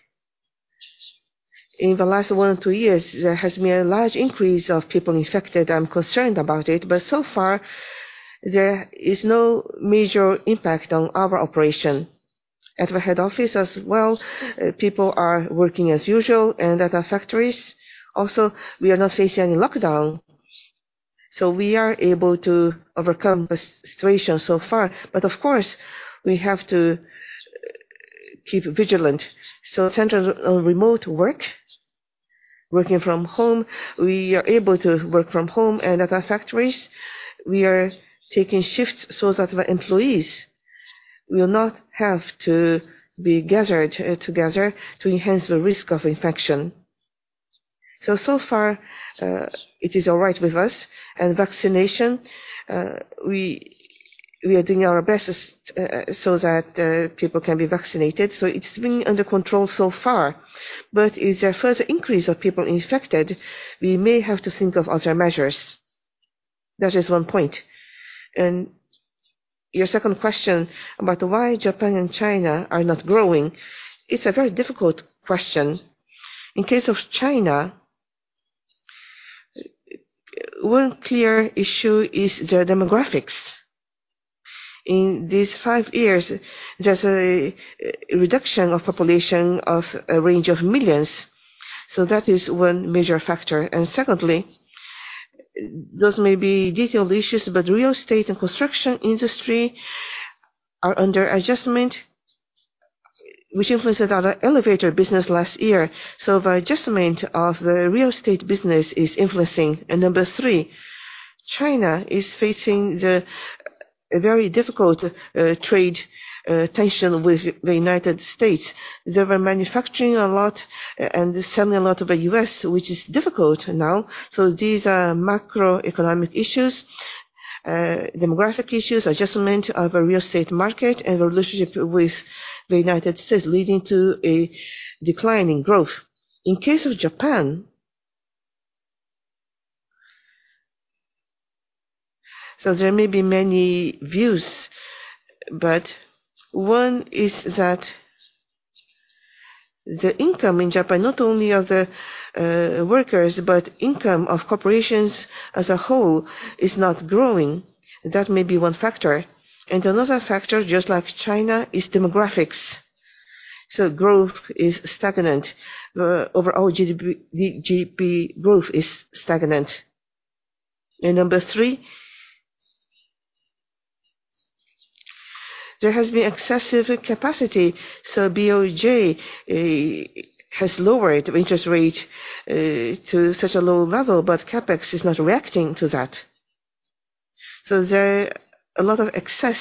In the last one or two years, there has been a large increase of people infected. I'm concerned about it, but so far there is no major impact on our operation. At the head office as well, people are working as usual and at our factories also we are not facing any lockdown. We are able to overcome the situation so far. Of course, we have to keep vigilant. Centers of remote work, working from home, we are able to work from home. At our factories we are taking shifts so that the employees will not have to be gathered together to enhance the risk of infection. So far, it is all right with us. Vaccination, we are doing our best so that people can be vaccinated. It's been under control so far. If there's a further increase of people infected, we may have to think of other measures. That is one point. Your second question about why Japan and China are not growing, it's a very difficult question. In case of China, one clear issue is their demographics. In these five years, there's a reduction of population of a range of millions. That is one major factor. Secondly, those may be detailed issues, but real estate and construction industry are under adjustment, which influenced our elevator business last year. The adjustment of the real estate business is influencing. Number three, China is facing the very difficult trade tension with the United States. They were manufacturing a lot and selling a lot to the U.S., which is difficult now. These are macroeconomic issues, demographic issues, adjustment of the real estate market and relationship with the United States leading to a decline in growth. In case of Japan... There may be many views, but one is that the income in Japan, not only of the workers, but income of corporations as a whole is not growing. That may be one factor. Another factor, just like China, is demographics. Growth is stagnant. Overall GDP growth is stagnant. Number three, there has been excessive capacity, so BOJ has lowered interest rate to such a low level, but CapEx is not reacting to that. There is a lot of excess,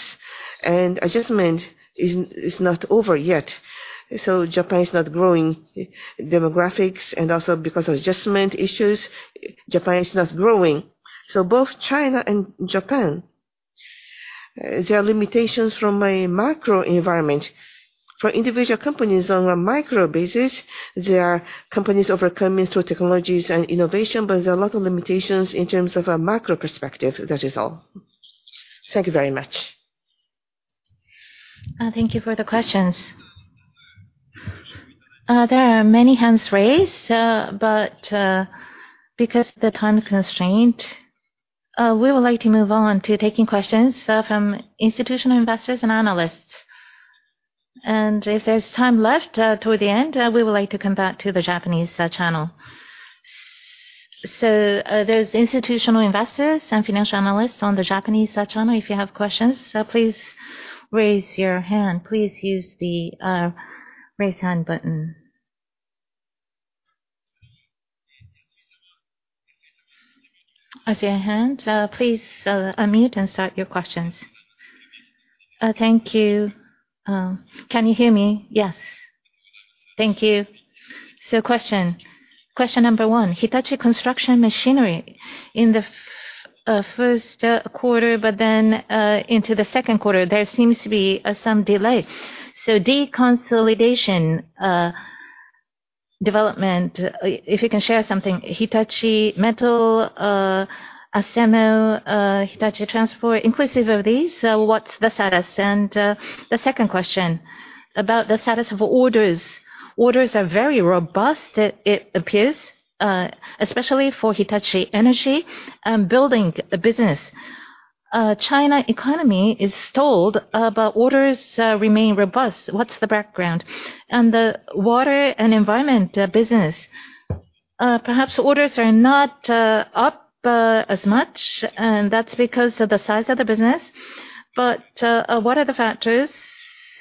and adjustment is not over yet. Japan is not growing demographics, and also because of adjustment issues, Japan is not growing. Both China and Japan. There are limitations from a macro environment. For individual companies on a micro basis, there are companies overcoming through technologies and innovation, but there are a lot of limitations in terms of a macro perspective. That is all. Thank you very much. Thank you for the questions. There are many hands raised, but because the time constraint, we would like to move on to taking questions from institutional investors and analysts. If there's time left, toward the end, we would like to come back to the Japanese channel. Those institutional investors and financial analysts on the Japanese channel, if you have questions, please raise your hand. Please use the raise hand button. I see a hand. Please unmute and start your questions. Thank you. Can you hear me? Yes. Thank you. Question number one: Hitachi Construction Machinery. In the first quarter, but then into the second quarter, there seems to be some delay. Deconsolidation development, if you can share something. Hitachi Metals, Astemo, Hitachi Transport System, inclusive of these, so what's the status? The second question about the status of orders. Orders are very robust, it appears, especially for Hitachi Energy and building the business. Chinese economy is stalled, but orders remain robust. What's the background? The water and environment business, perhaps orders are not up as much, and that's because of the size of the business, but what are the factors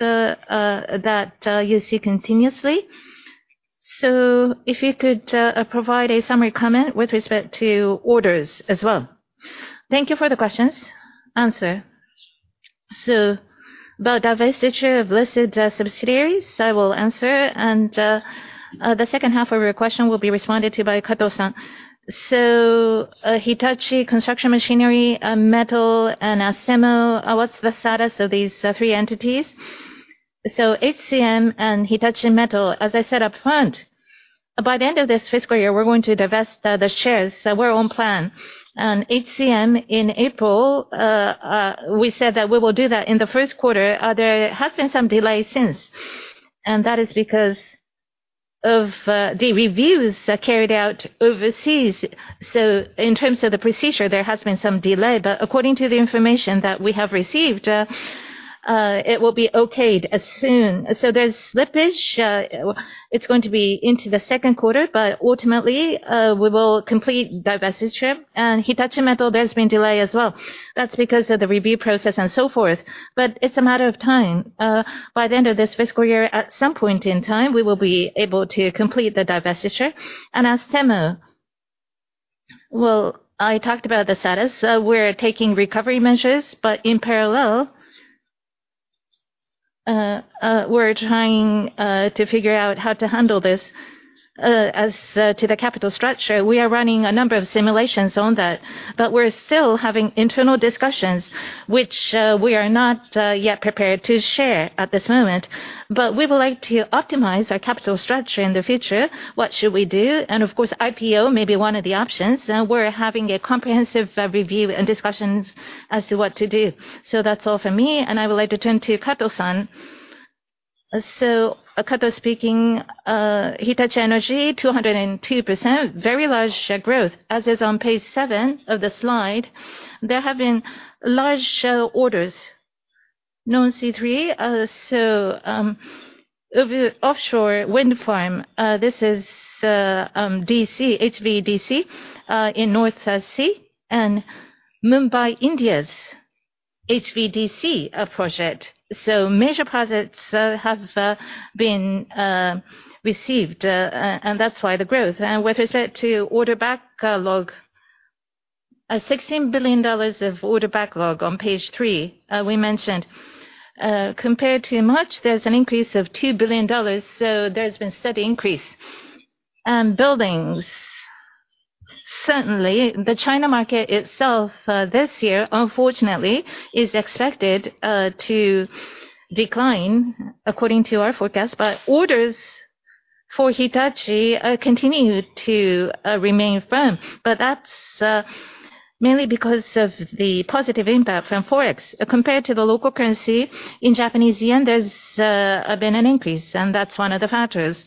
that you see continuously? If you could provide a summary comment with respect to orders as well. Thank you for the questions. About divestiture of listed subsidiaries, I will answer, and the second half of your question will be responded to by Kato-san. Hitachi Construction Machinery, Metals, and Astemo, what's the status of these three entities? HCM and Hitachi Metals, as I said up front, by the end of this fiscal year, we're going to divest the shares, we're on plan. HCM in April, we said that we will do that in the first quarter. There has been some delay since, and that is because of the reviews that carried out overseas. In terms of the procedure, there has been some delay, but according to the information that we have received, it will be okayed as soon. There's slippage, it's going to be into the second quarter, but ultimately, we will complete divestiture. Hitachi Metals, there's been delay as well. That's because of the review process and so forth, but it's a matter of time. By the end of this fiscal year, at some point in time, we will be able to complete the divestiture. Astemo, well, I talked about the status. We're taking recovery measures, but in parallel, we're trying to figure out how to handle this. As to the capital structure, we are running a number of simulations on that, but we're still having internal discussions which we are not yet prepared to share at this moment. We would like to optimize our capital structure in the future. What should we do, and of course, IPO may be one of the options. We're having a comprehensive review and discussions as to what to do. That's all for me, and I would like to turn to Kato-san. Kato speaking. Hitachi Energy, 202%, very large share growth. As is on page seven of the slide, there have been large share orders. Hornsea 3, offshore wind farm, this is DC, HVDC, in North Sea, and Mumbai, India's HVDC project. Major projects have been received, and that's why the growth. With respect to order backlog, $16 billion of order backlog on page three, we mentioned. Compared to March, there's an increase of $2 billion, so there's been steady increase. Buildings. Certainly, the China market itself, this year, unfortunately, is expected to decline according to our forecast, but orders for Hitachi are continuing to remain firm. But that's mainly because of the positive impact from Forex. Compared to the local currency, in Japanese yen, there's been an increase, and that's one of the factors.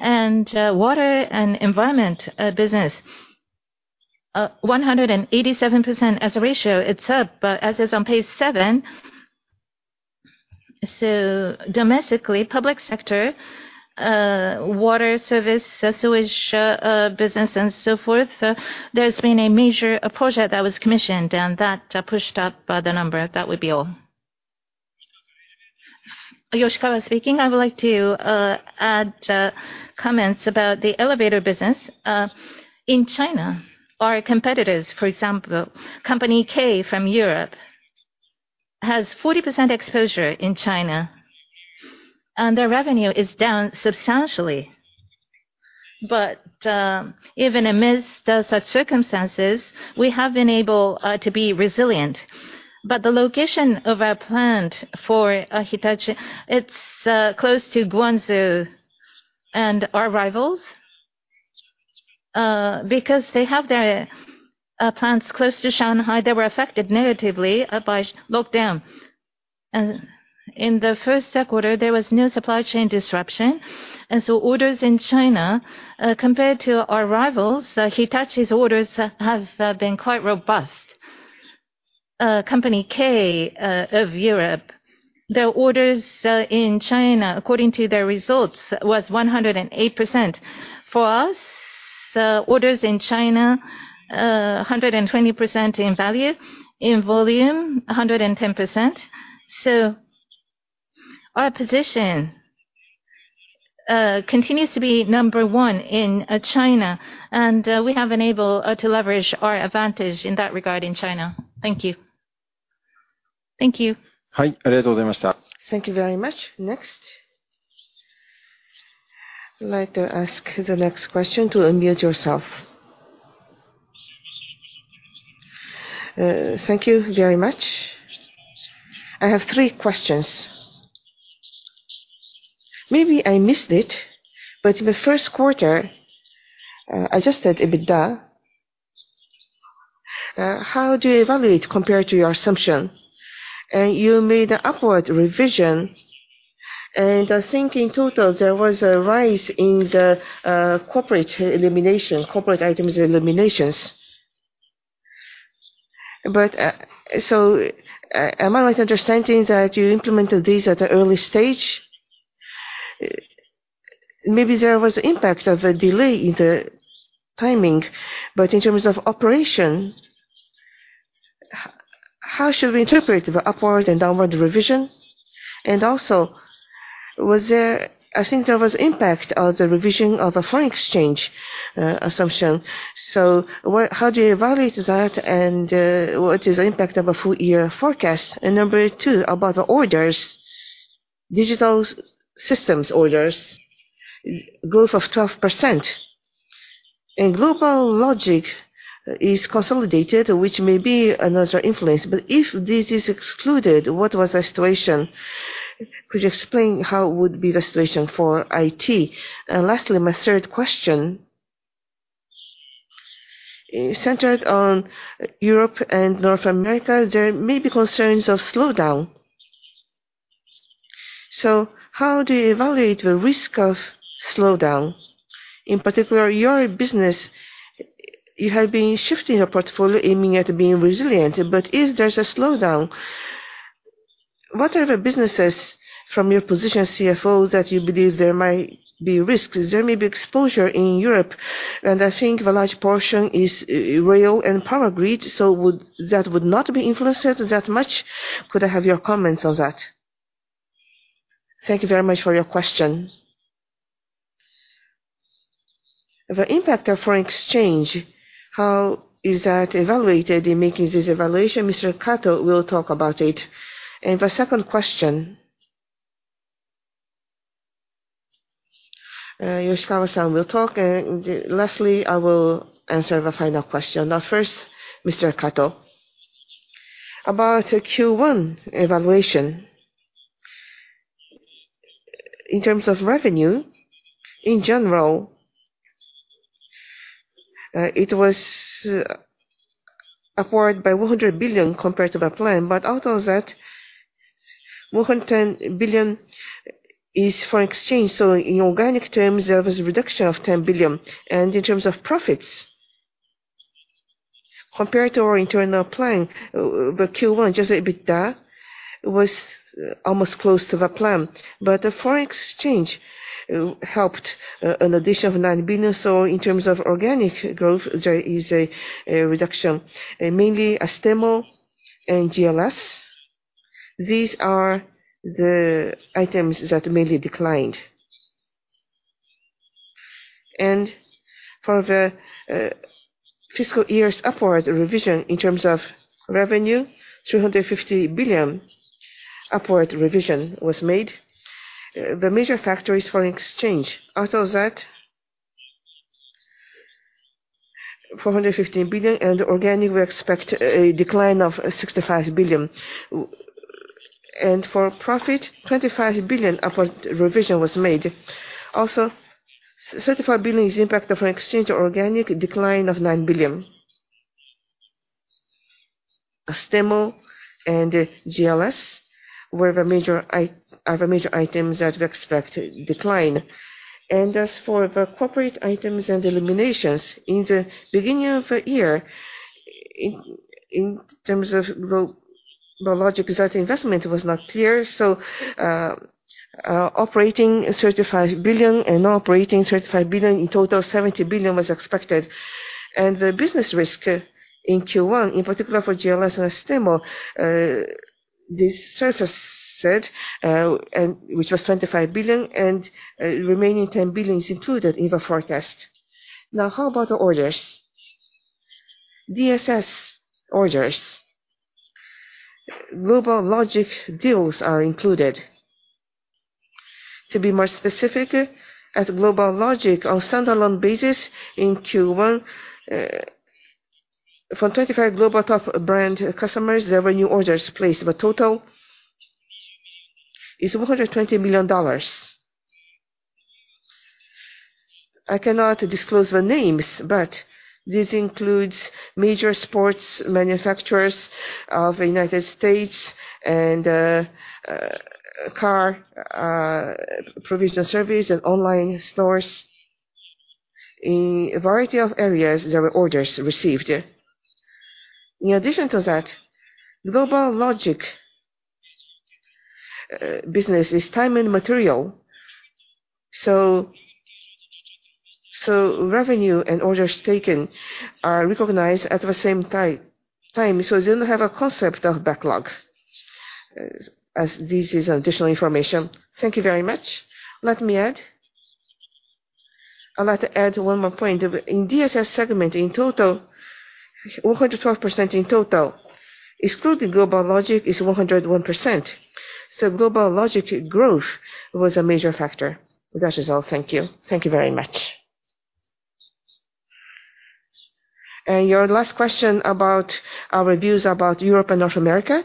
Water and environment business. 187% as a ratio, it's up, but as is on page seven, so domestically, public sector, water service, sewage business and so forth, there's been a major project that was commissioned and that pushed up the number. That would be all. Yoshikawa speaking. I would like to add comments about the elevator business in China. Our competitors, for example, Company K from Europe, has 40% exposure in China, and their revenue is down substantially. Even amidst the such circumstances, we have been able to be resilient. The location of our plant for Hitachi, it's close to Guangzhou and our rivals. Because they have their plants close to Shanghai, they were affected negatively by lockdown. In the first quarter, there was no supply chain disruption. Orders in China, compared to our rivals, Hitachi's orders have been quite robust. Company K of Europe, their orders in China, according to their results, was 108%. For us, orders in China are 120% in value. In volume, 110%. Our position continues to be number one in China, and we have been able to leverage our advantage in that regard in China. Thank you. Thank you. Thank you very much. Next. I'd like to ask the next question to unmute yourself. Thank you very much. I have three questions. Maybe I missed it, but in the first quarter, adjusted EBITDA, how do you evaluate compared to your assumption? You made an upward revision, and I think in total there was a rise in the corporate elimination, corporate items eliminations. So am I understanding that you implemented this at an early stage? Maybe there was impact of a delay in the timing, but in terms of operation, how should we interpret the upward and downward revision? And also, I think there was impact of the revision of a foreign exchange assumption. So, how do you evaluate that, and what is the impact of a full-year forecast? Number two, about the orders. Digital Systems orders growth of 12%. GlobalLogic is consolidated, which may be another influence. If this is excluded, what was the situation? Could you explain how it would be the situation for IT? Lastly, my third question, centered on Europe and North America, there may be concerns of slowdown. How do you evaluate the risk of slowdown? In particular, your business, you have been shifting your portfolio aiming at being resilient. If there's a slowdown, what are the businesses from your position as CFO that you believe there might be risks? There may be exposure in Europe, and I think a large portion is rail and power grid, so that would not be influenced that much. Could I have your comments on that? Thank you very much for your question. The impact of foreign exchange, how is that evaluated in making this evaluation? Mr. Kato will talk about it. The second question, Yoshikawa-san will talk. Lastly, I will answer the final question. Now first, Mr. Kato. About Q1 evaluation. In terms of revenue, in general, it was upward by 100 billion compared to the plan. Out of that, 110 billion is foreign exchange. In organic terms, there was a reduction of 10 billion. In terms of profits, compared to our internal plan, the Q1 adjusted EBITDA was almost close to the plan. The foreign exchange helped an addition of 9 billion. In terms of organic growth, there is a reduction. Mainly Astemo and GLS, these are the items that mainly declined. For the fiscal year's upward revision in terms of revenue, 350 billion upward revision was made. The major factor is foreign exchange. Out of that, 415 billion and organic, we expect a decline of 65 billion. For profit, 25 billion upward revision was made. 65 billion is impact of foreign exchange, organic decline of 9 billion. Astemo and GLS are the major items that we expect decline. As for the corporate items and eliminations, in the beginning of the year, in terms of GlobalLogic, that investment was not clear. Operating 35 billion and non-operating 35 billion, in total 70 billion was expected. The business risk in Q1, in particular for GLS and Astemo, this surpassed, and which was 25 billion, and remaining 10 billion is included in the forecast. Now how about the orders? DSS orders. GlobalLogic deals are included. To be more specific, at GlobalLogic on standalone basis in Q1, from 25 global top brand customers, there were new orders placed. The total is $120 million. I cannot disclose the names, but this includes major sports manufacturers in the United States and car provisioning service and online stores. In a variety of areas, there were orders received. In addition to that, GlobalLogic business is time and material, so revenue and orders taken are recognized at the same time, so they don't have a concept of backlog, as this is additional information. Thank you very much. Let me add. I'd like to add one more point. In DSS segment, in total, 112% in total. Excluding GlobalLogic is 101%. So GlobalLogic growth was a major factor. That is all. Thank you. Thank you very much. Your last question about our views about Europe and North America.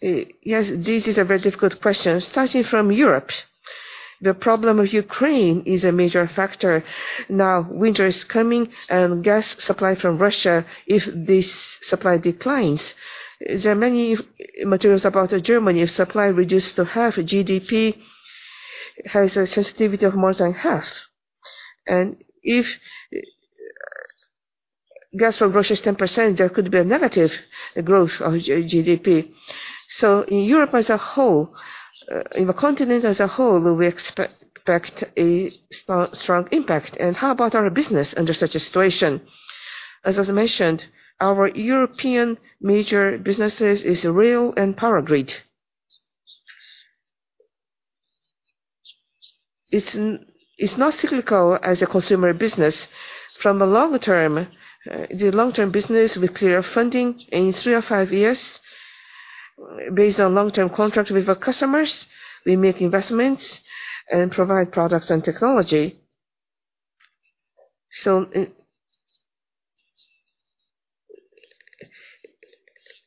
Yes, this is a very difficult question. Starting from Europe, the problem of Ukraine is a major factor. Now, winter is coming and gas supply from Russia, if this supply declines, there are many materials about Germany. If supply reduced to half, GDP has a sensitivity of more than half. If gas from Russia is 10%, there could be a negative growth of GDP. In Europe as a whole, in the continent as a whole, we expect a strong impact. How about our business under such a situation? As was mentioned, our European major businesses is rail and power grid. It's not cyclical as a consumer business. From the long term, the long-term business, we secure funding in three or five years based on long-term contracts with our customers. We make investments and provide products and technology.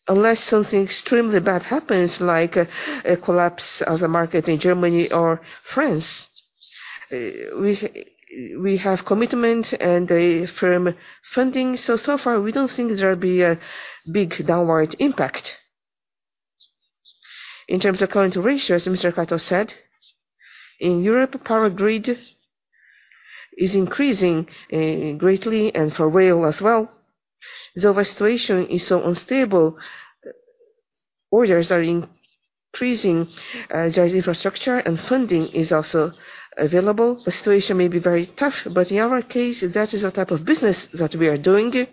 Unless something extremely bad happens, like a collapse of the market in Germany or France, we have commitment and a firm funding. So far we don't think there'll be a big downward impact. In terms of orders, as Mr. Kato said, in Europe, power grid is increasing greatly, and for rail as well. Though the situation is so unstable, orders are increasing. There's infrastructure and funding is also available. The situation may be very tough, but in our case, that is the type of business that we are doing.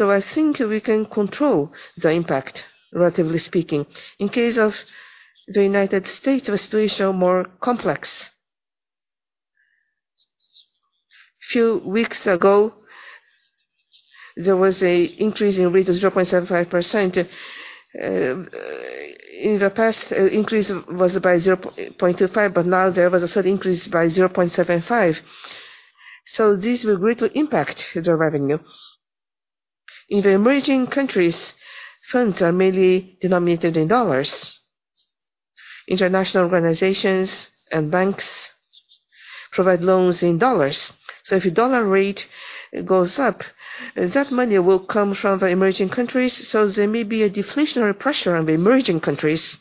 I think we can control the impact, relatively speaking. In the case of the United States, the situation is more complex. A few weeks ago, there was an increase in rate of 0.75%. In the past, the increase was by 0.25%, but now there was a sudden increase by 0.75%. This will greatly impact the revenue. In the emerging countries, funds are mainly denominated in dollars. International organizations and banks provide loans in dollars. If the dollar rate goes up, that money will come from the emerging countries, so there may be a deflationary pressure on the emerging countries.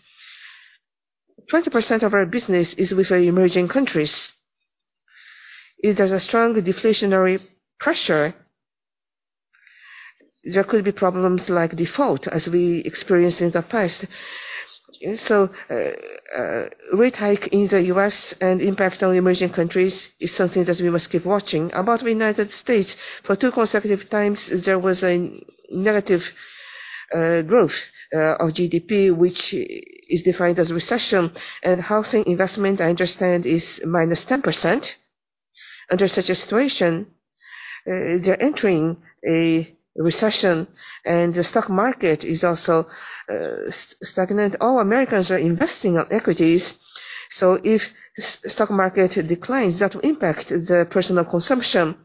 20% of our business is with the emerging countries. If there's a strong deflationary pressure, there could be problems like default, as we experienced in the past. Rate hike in the U.S. and impact on emerging countries is something that we must keep watching. About the United States, for two consecutive times, there was a negative growth of GDP, which is defined as recession. Housing investment, I understand, is minus 10%. Under such a situation, they're entering a recession, and the stock market is also stagnant. All Americans are investing on equities, so if stock market declines, that will impact the personal consumption.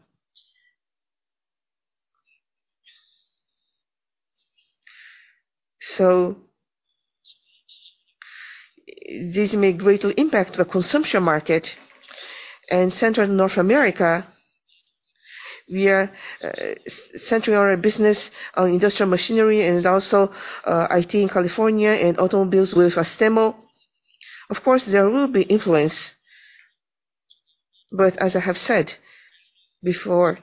This may greatly impact the consumption market. In Central and North America, we are centering our business on industrial machinery and also IT in California and automobiles with Astemo. Of course, there will be influence, but as I have said before,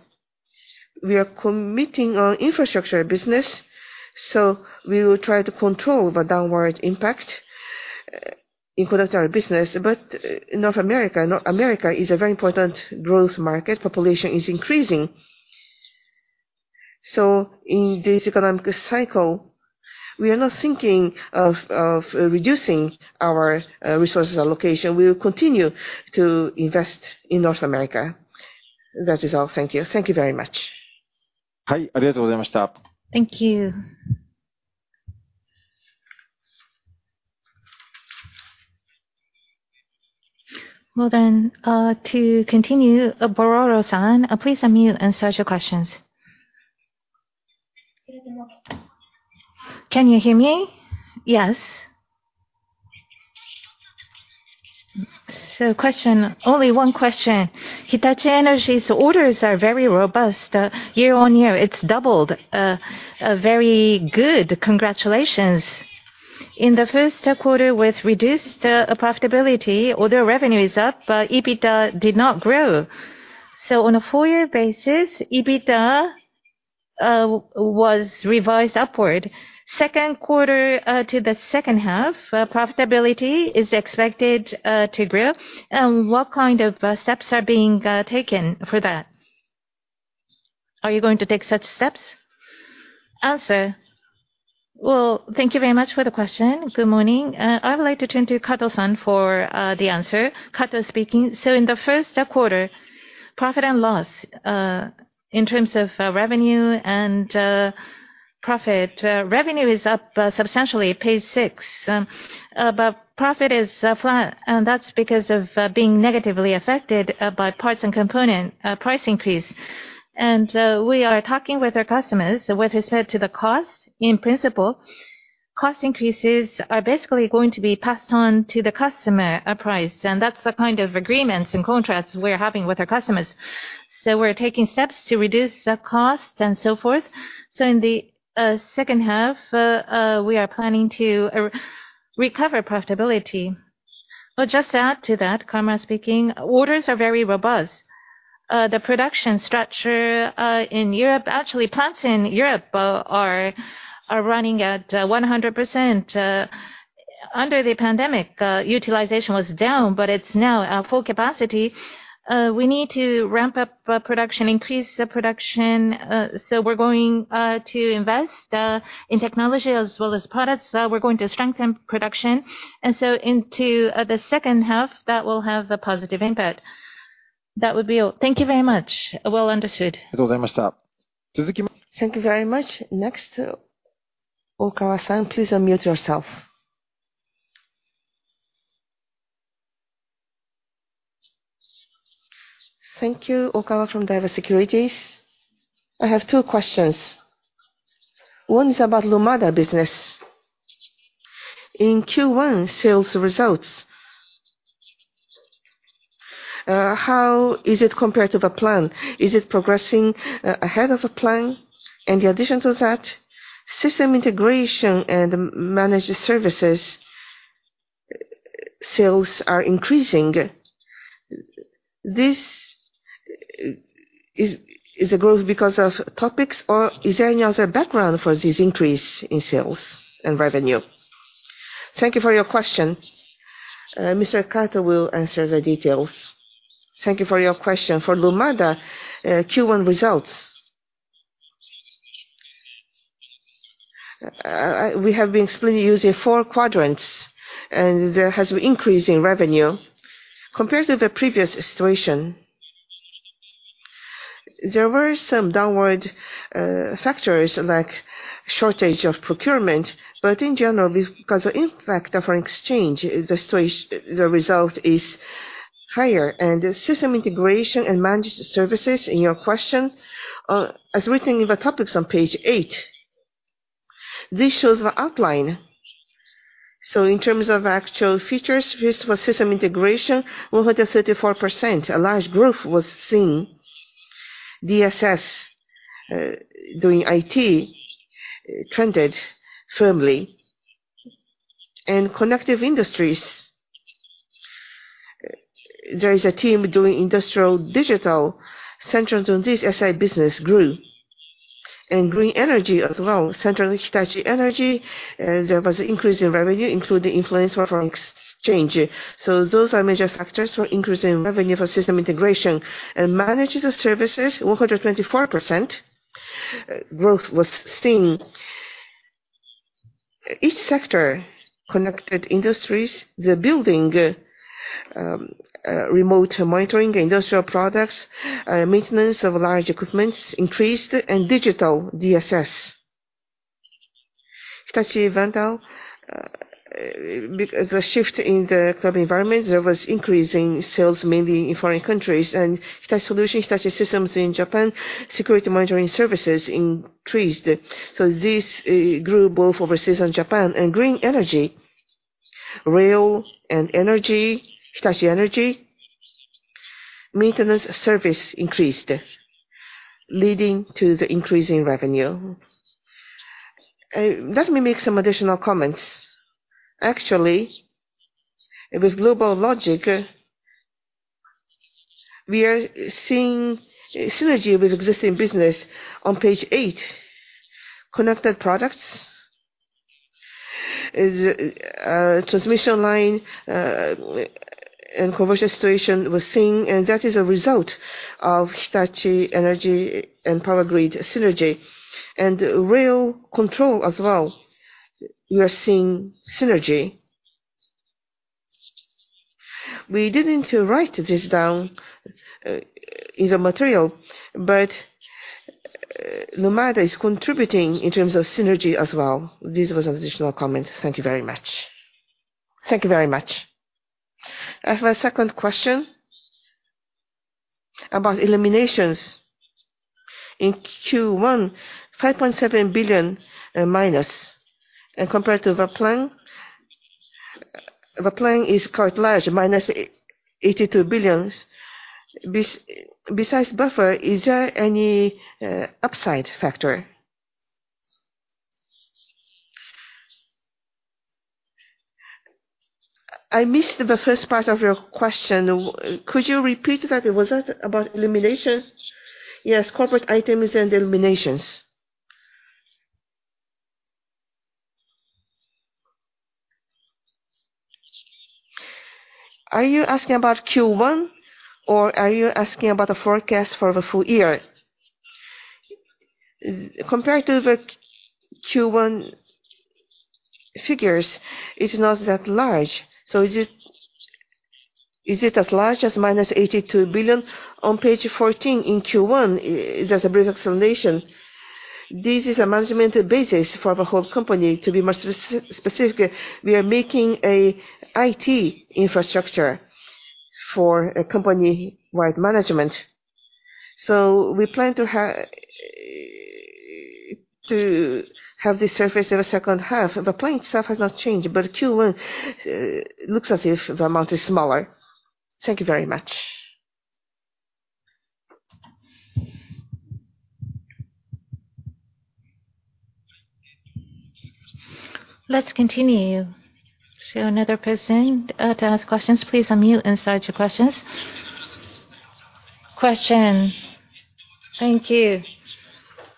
we are committing on infrastructure business, so we will try to control the downward impact in collateral business. North America is a very important growth market. Population is increasing. In this economic cycle, we are not thinking of reducing our resources allocation. We will continue to invest in North America. That is all. Thank you. Thank you very much. Hi. Thank you. Well then, to continue, Borodo-san, please unmute and state your questions. Can you hear me? Yes. Question, only one question. Hitachi Energy's orders are very robust. Year-on-year, it's doubled. Very good. Congratulations. In the first quarter with reduced profitability, order revenue is up, but EBITDA did not grow. On a full-year basis, EBITDA was revised upward. Second quarter to the second half, profitability is expected to grow. What kind of steps are being taken for that? Are you going to take such steps? Answer. Well, thank you very much for the question. Good morning. I would like to turn to Kato-san for the answer. Kato speaking. In the first quarter, profit and loss, in terms of revenue and profit, revenue is up substantially, page six. But profit is flat, and that's because of being negatively affected by parts and component price increase. We are talking with our customers with respect to the cost. In principle, cost increases are basically going to be passed on to the customer price, and that's the kind of agreements and contracts we're having with our customers. We're taking steps to reduce the cost and so forth. In the second half, we are planning to recover profitability. I'll just add to that, Kawamura speaking. Orders are very robust. The production structure in Europe, actually plants in Europe, are running at 100%. Under the pandemic, utilization was down, but it's now at full capacity. We need to ramp up production, increase the production. We're going to invest in technology as well as products. We're going to strengthen production, and so into the second half, that will have a positive impact. That would be all. Thank you very much. Well understood. Thank you very much. Next, Okawa-san, please unmute yourself. Thank you. Okawa from Daiwa Securities. I have two questions. One is about Lumada business. In Q1 sales results, how is it compared to the plan? Is it progressing ahead of the plan? In addition to that, system integration and managed services sales are increasing. This is a growth because of topics, or is there any other background for this increase in sales and revenue? Thank you for your question. Mr. Kato will answer the details. Thank you for your question. For Lumada, Q1 results, we have been splitting using four quadrants, and there has been increase in revenue. Compared to the previous situation, there were some downward factors like shortage of procurement. In general, because of impact of foreign exchange, the result is higher. The system integration and managed services in your question, as written in the topics on page 8, this shows the outline. In terms of actual features, first for system integration, 134%, a large growth was seen. DSS doing IT trended firmly. In Connective Industries, there is a team doing industrial digital. Centered on this, SI business grew. In green energy as well, centered on Hitachi Energy, there was an increase in revenue, including influence of foreign exchange. Those are major factors for increase in revenue for system integration. Managed services, 124% growth was seen. In Connective Industries, the building, remote monitoring industrial products, maintenance of large equipment increased. In digital DSS, Hitachi Vantara, because a shift in the cloud environment, there was increase in sales, mainly in foreign countries. Hitachi Solutions, Hitachi Systems in Japan, security monitoring services increased. This grew both overseas and Japan. Green energy, rail and energy, Hitachi Energy, maintenance service increased, leading to the increase in revenue. Let me make some additional comments. Actually, with GlobalLogic, we are seeing synergy with existing business. On page eight, connected products This transmission line and conversion station we're seeing, and that is a result of Hitachi Energy and power grid synergy. Real control as well, we are seeing synergy. We didn't write this down in the material, but Nomura is contributing in terms of synergy as well. This was an additional comment. Thank you very much. Thank you very much. As my second question, about eliminations. In Q1, -5.7 billion. Compared to the plan, the plan is quite large, -82 billion. Besides buffer, is there any upside factor? I missed the first part of your question. Could you repeat that? Was that about elimination? Yes, corporate items and eliminations. Are you asking about Q1, or are you asking about the forecast for the full year? Compared to the Q1 figures, it's not that large. Is it as large as -82 billion? On page 14 in Q1, there's a brief explanation. This is a management basis for the whole company. To be more specific, we are making an IT infrastructure for a company-wide management. We plan to have the service of the second half. The plan itself has not changed, but Q1 looks as if the amount is smaller. Thank you very much. Let's continue to another person to ask questions. Please unmute and start your questions. Question. Thank you.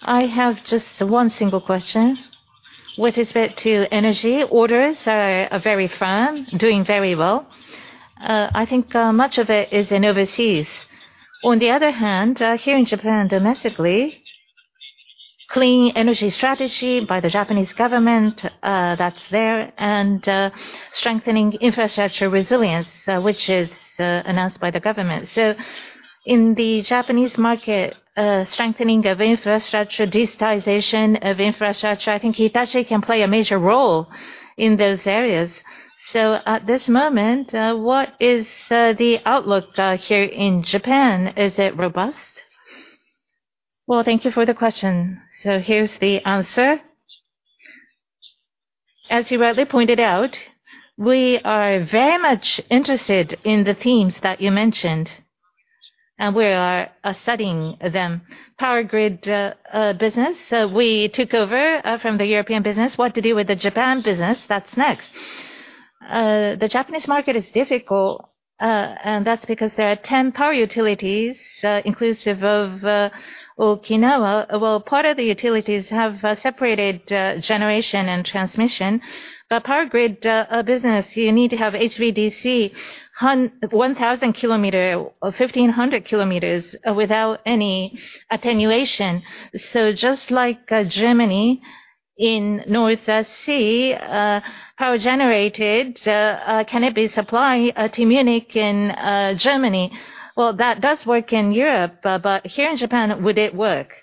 I have just one single question. With respect to energy orders are very firm, doing very well. I think much of it is in overseas. On the other hand, here in Japan domestically, clean energy strategy by the Japanese government, that's there, and strengthening infrastructure resilience, which is announced by the government. In the Japanese market, strengthening of infrastructure, digitization of infrastructure, I think Hitachi can play a major role in those areas. At this moment, what is the outlook here in Japan? Is it robust? Well, thank you for the question. Here's the answer. As you rightly pointed out, we are very much interested in the themes that you mentioned, and we are studying them. Power grid business, we took over from the European business. What to do with the Japan business, that's next. The Japanese market is difficult, and that's because there are 10 power utilities, inclusive of Okinawa. Well, part of the utilities have separated generation and transmission. Power grid business, you need to have HVDC 1,000 km or 1,500 km without any attenuation. Just like Germany in North Sea, power generated, can it be supplied to Munich in Germany? Well, that does work in Europe, but here in Japan, would it work?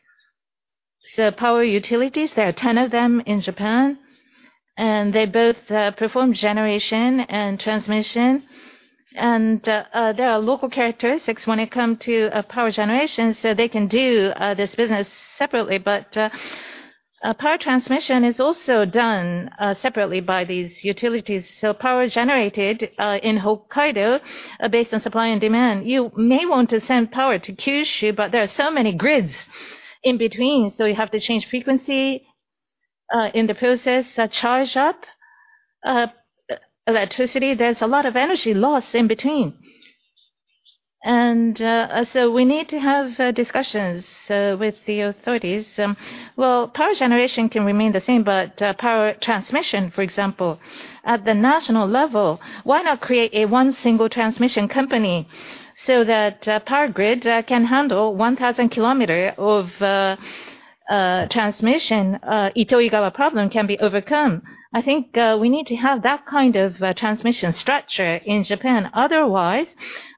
The power utilities, there are 10 of them in Japan, and they both perform generation and transmission. There are local characteristics when it come to power generation, so they can do this business separately. Power transmission is also done separately by these utilities. Power generated in Hokkaido, based on supply and demand, you may want to send power to Kyushu, but there are so many grids in between, so you have to change frequency in the process, charge up electricity. There's a lot of energy loss in between. We need to have discussions with the authorities. Well, power generation can remain the same, but power transmission, for example, at the national level, why not create one single transmission company so that power grid can handle 1,000 km of transmission? Itoigawa problem can be overcome. I think we need to have that kind of transmission structure in Japan. Otherwise,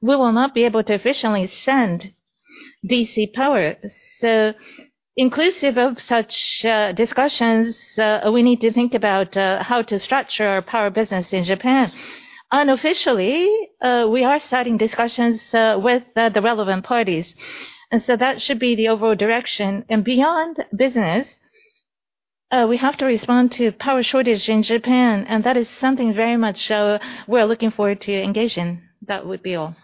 we will not be able to efficiently send DC power. Inclusive of such discussions, we need to think about how to structure our power business in Japan. Unofficially, we are starting discussions with the relevant parties. That should be the overall direction. Beyond business, we have to respond to power shortage in Japan, and that is something very much, we are looking forward to engage in. That would be all.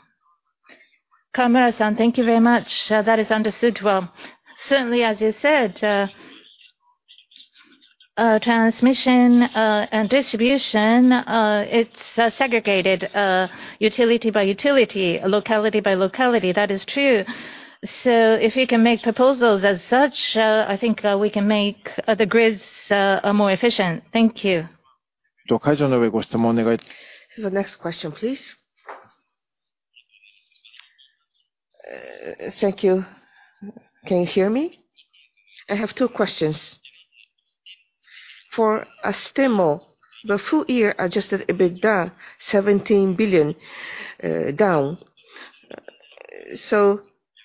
Kawamura-san, thank you very much. That is understood well. Certainly, as you said, transmission and distribution, it's segregated utility by utility, locality by locality. That is true. If you can make proposals as such, I think we can make the grids more efficient. Thank you. The next question, please. Thank you. Can you hear me? I have two questions. For Astemo, the full year adjusted EBITDA 17 billion, down. So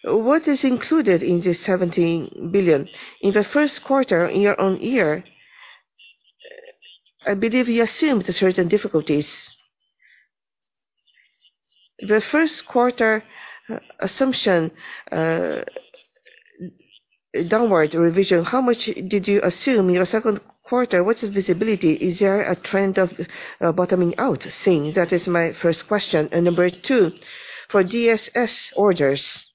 what is included in this 17 billion? In the first quarter, in your own year, I believe you assumed a certain difficulties. The first quarter assumption, downward revision, how much did you assume in your second quarter? What's the visibility? Is there a trend of bottoming out since? That is my first question. Number two, for DSS orders,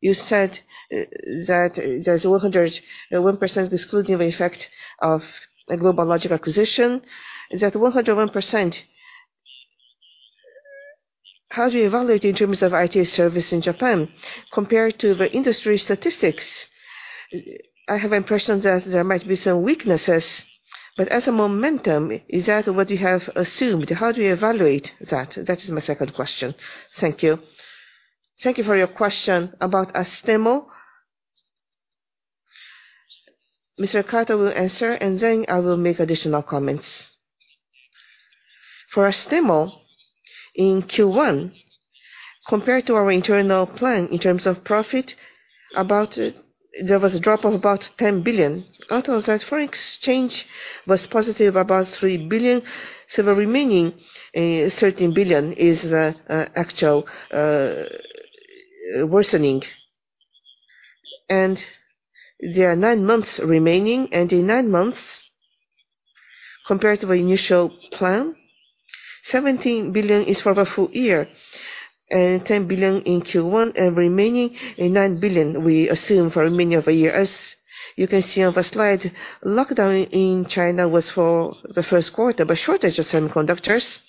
you said that there's 101% exclusive effect of a GlobalLogic acquisition. Is that 101%, how do you evaluate in terms of IT service in Japan compared to the industry statistics? I have impression that there might be some weaknesses, but as a momentum, is that what you have assumed? How do you evaluate that? That is my second question. Thank you. Thank you for your question about Astemo. Mr. Kato will answer, and then I will make additional comments. For Astemo, in Q1, compared to our internal plan in terms of profit, about, there was a drop of about 10 billion. Out of that, foreign exchange was positive, about 3 billion, so the remaining 13 billion is the actual worsening. There are nine months remaining. In nine months, compared to the initial plan, 17 billion is for the full year, and 10 billion in Q1, and remaining 9 billion we assume for remaining of the year. As you can see on the slide, lockdown in China was for the first quarter, but shortage of semiconductors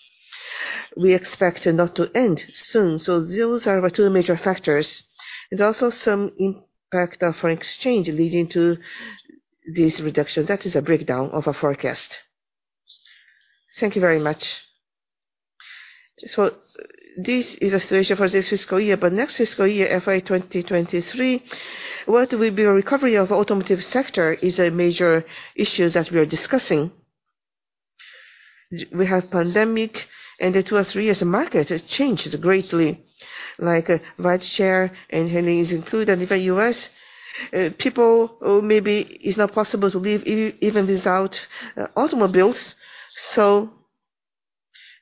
we expect not to end soon. Those are our two major factors, and also some impact of foreign exchange leading to this reduction. That is a breakdown of our forecast. Thank you very much. This is the situation for this fiscal year, but next fiscal year, FY 2023, whether we build recovery of automotive sector is a major issue that we are discussing. We had pandemic, and in two or three years the market has changed greatly, like, ride share and EVs included in the U.S. People, maybe, it's not possible to leave and even these out automobiles.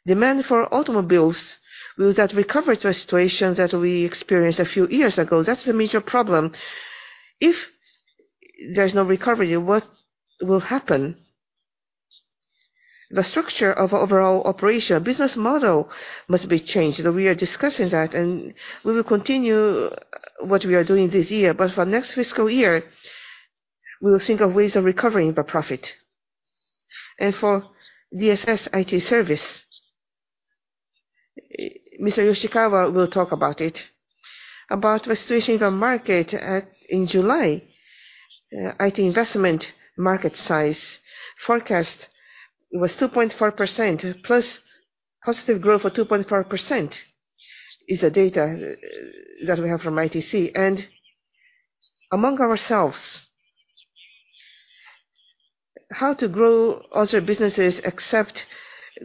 Demand for automobiles will that recover [frustrations] that we experienced a few years ago. That's the major problem. If there is no recovery, what will happen? The structure of overall operation, business model must be changed. We discussed that. We will continue what we are doing this year. But from next fiscal year, we will think of ways to recover the profit. For DSS IT service, Mr. Yoshikawa will talk about it. About (audio distortion) the market, in July, IT investment market size forecast was 2.4%, has the growth of 2.4% is the data that we have in ITC. Among ourselves, how to grow offshore businesses except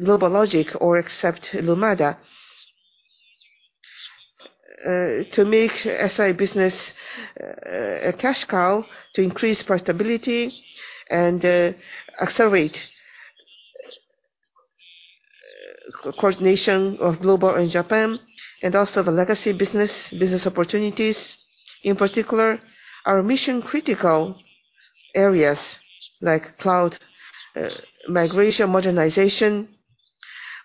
GlobalLogic or except Lumada? To make a side business cash flow to increase portability and accelerate course nation of global in Japan, and also the legacy business, business opportunities. In particular, our mission critical areas, like cloud, migration modernization,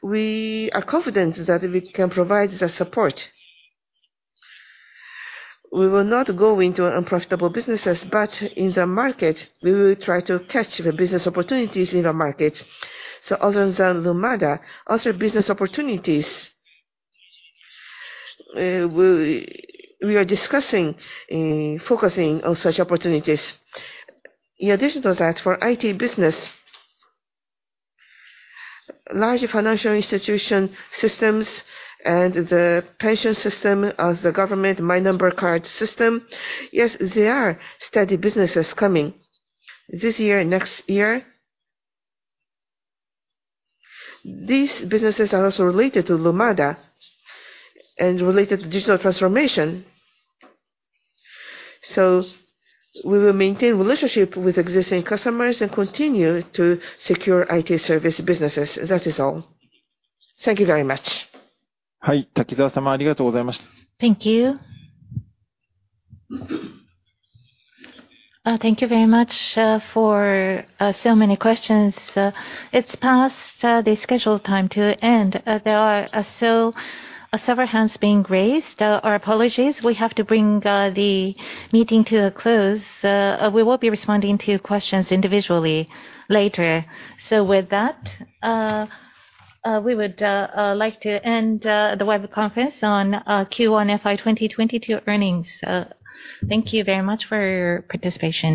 we are confident that we can provide the support. We will not go to unprofitable businesses, but in the market, we will try to catch the business opportunities in the market. Other than Lumada, other business opportunities, we're discussing in focusing in such opportunities. In addition to that, for IT business, large financial institution systems and pension system of the government, My Number Card system. Yes, there are steady businesses coming this year, next year. These businesses are also related to Lumada and related to digital transformation. We will maintain relationship to existing customers are continue to secure IT service to businesses. That is all. Thank you very much. Thank you. Thank you very much for so many questions. It's also the schedule time to end. The are several hands being raised. We have to bring the meeting to a close. We will be responding to your questions individually later. With that, we would like to end the web conference for Q1 2022 earnings. Thank you very much for your participation.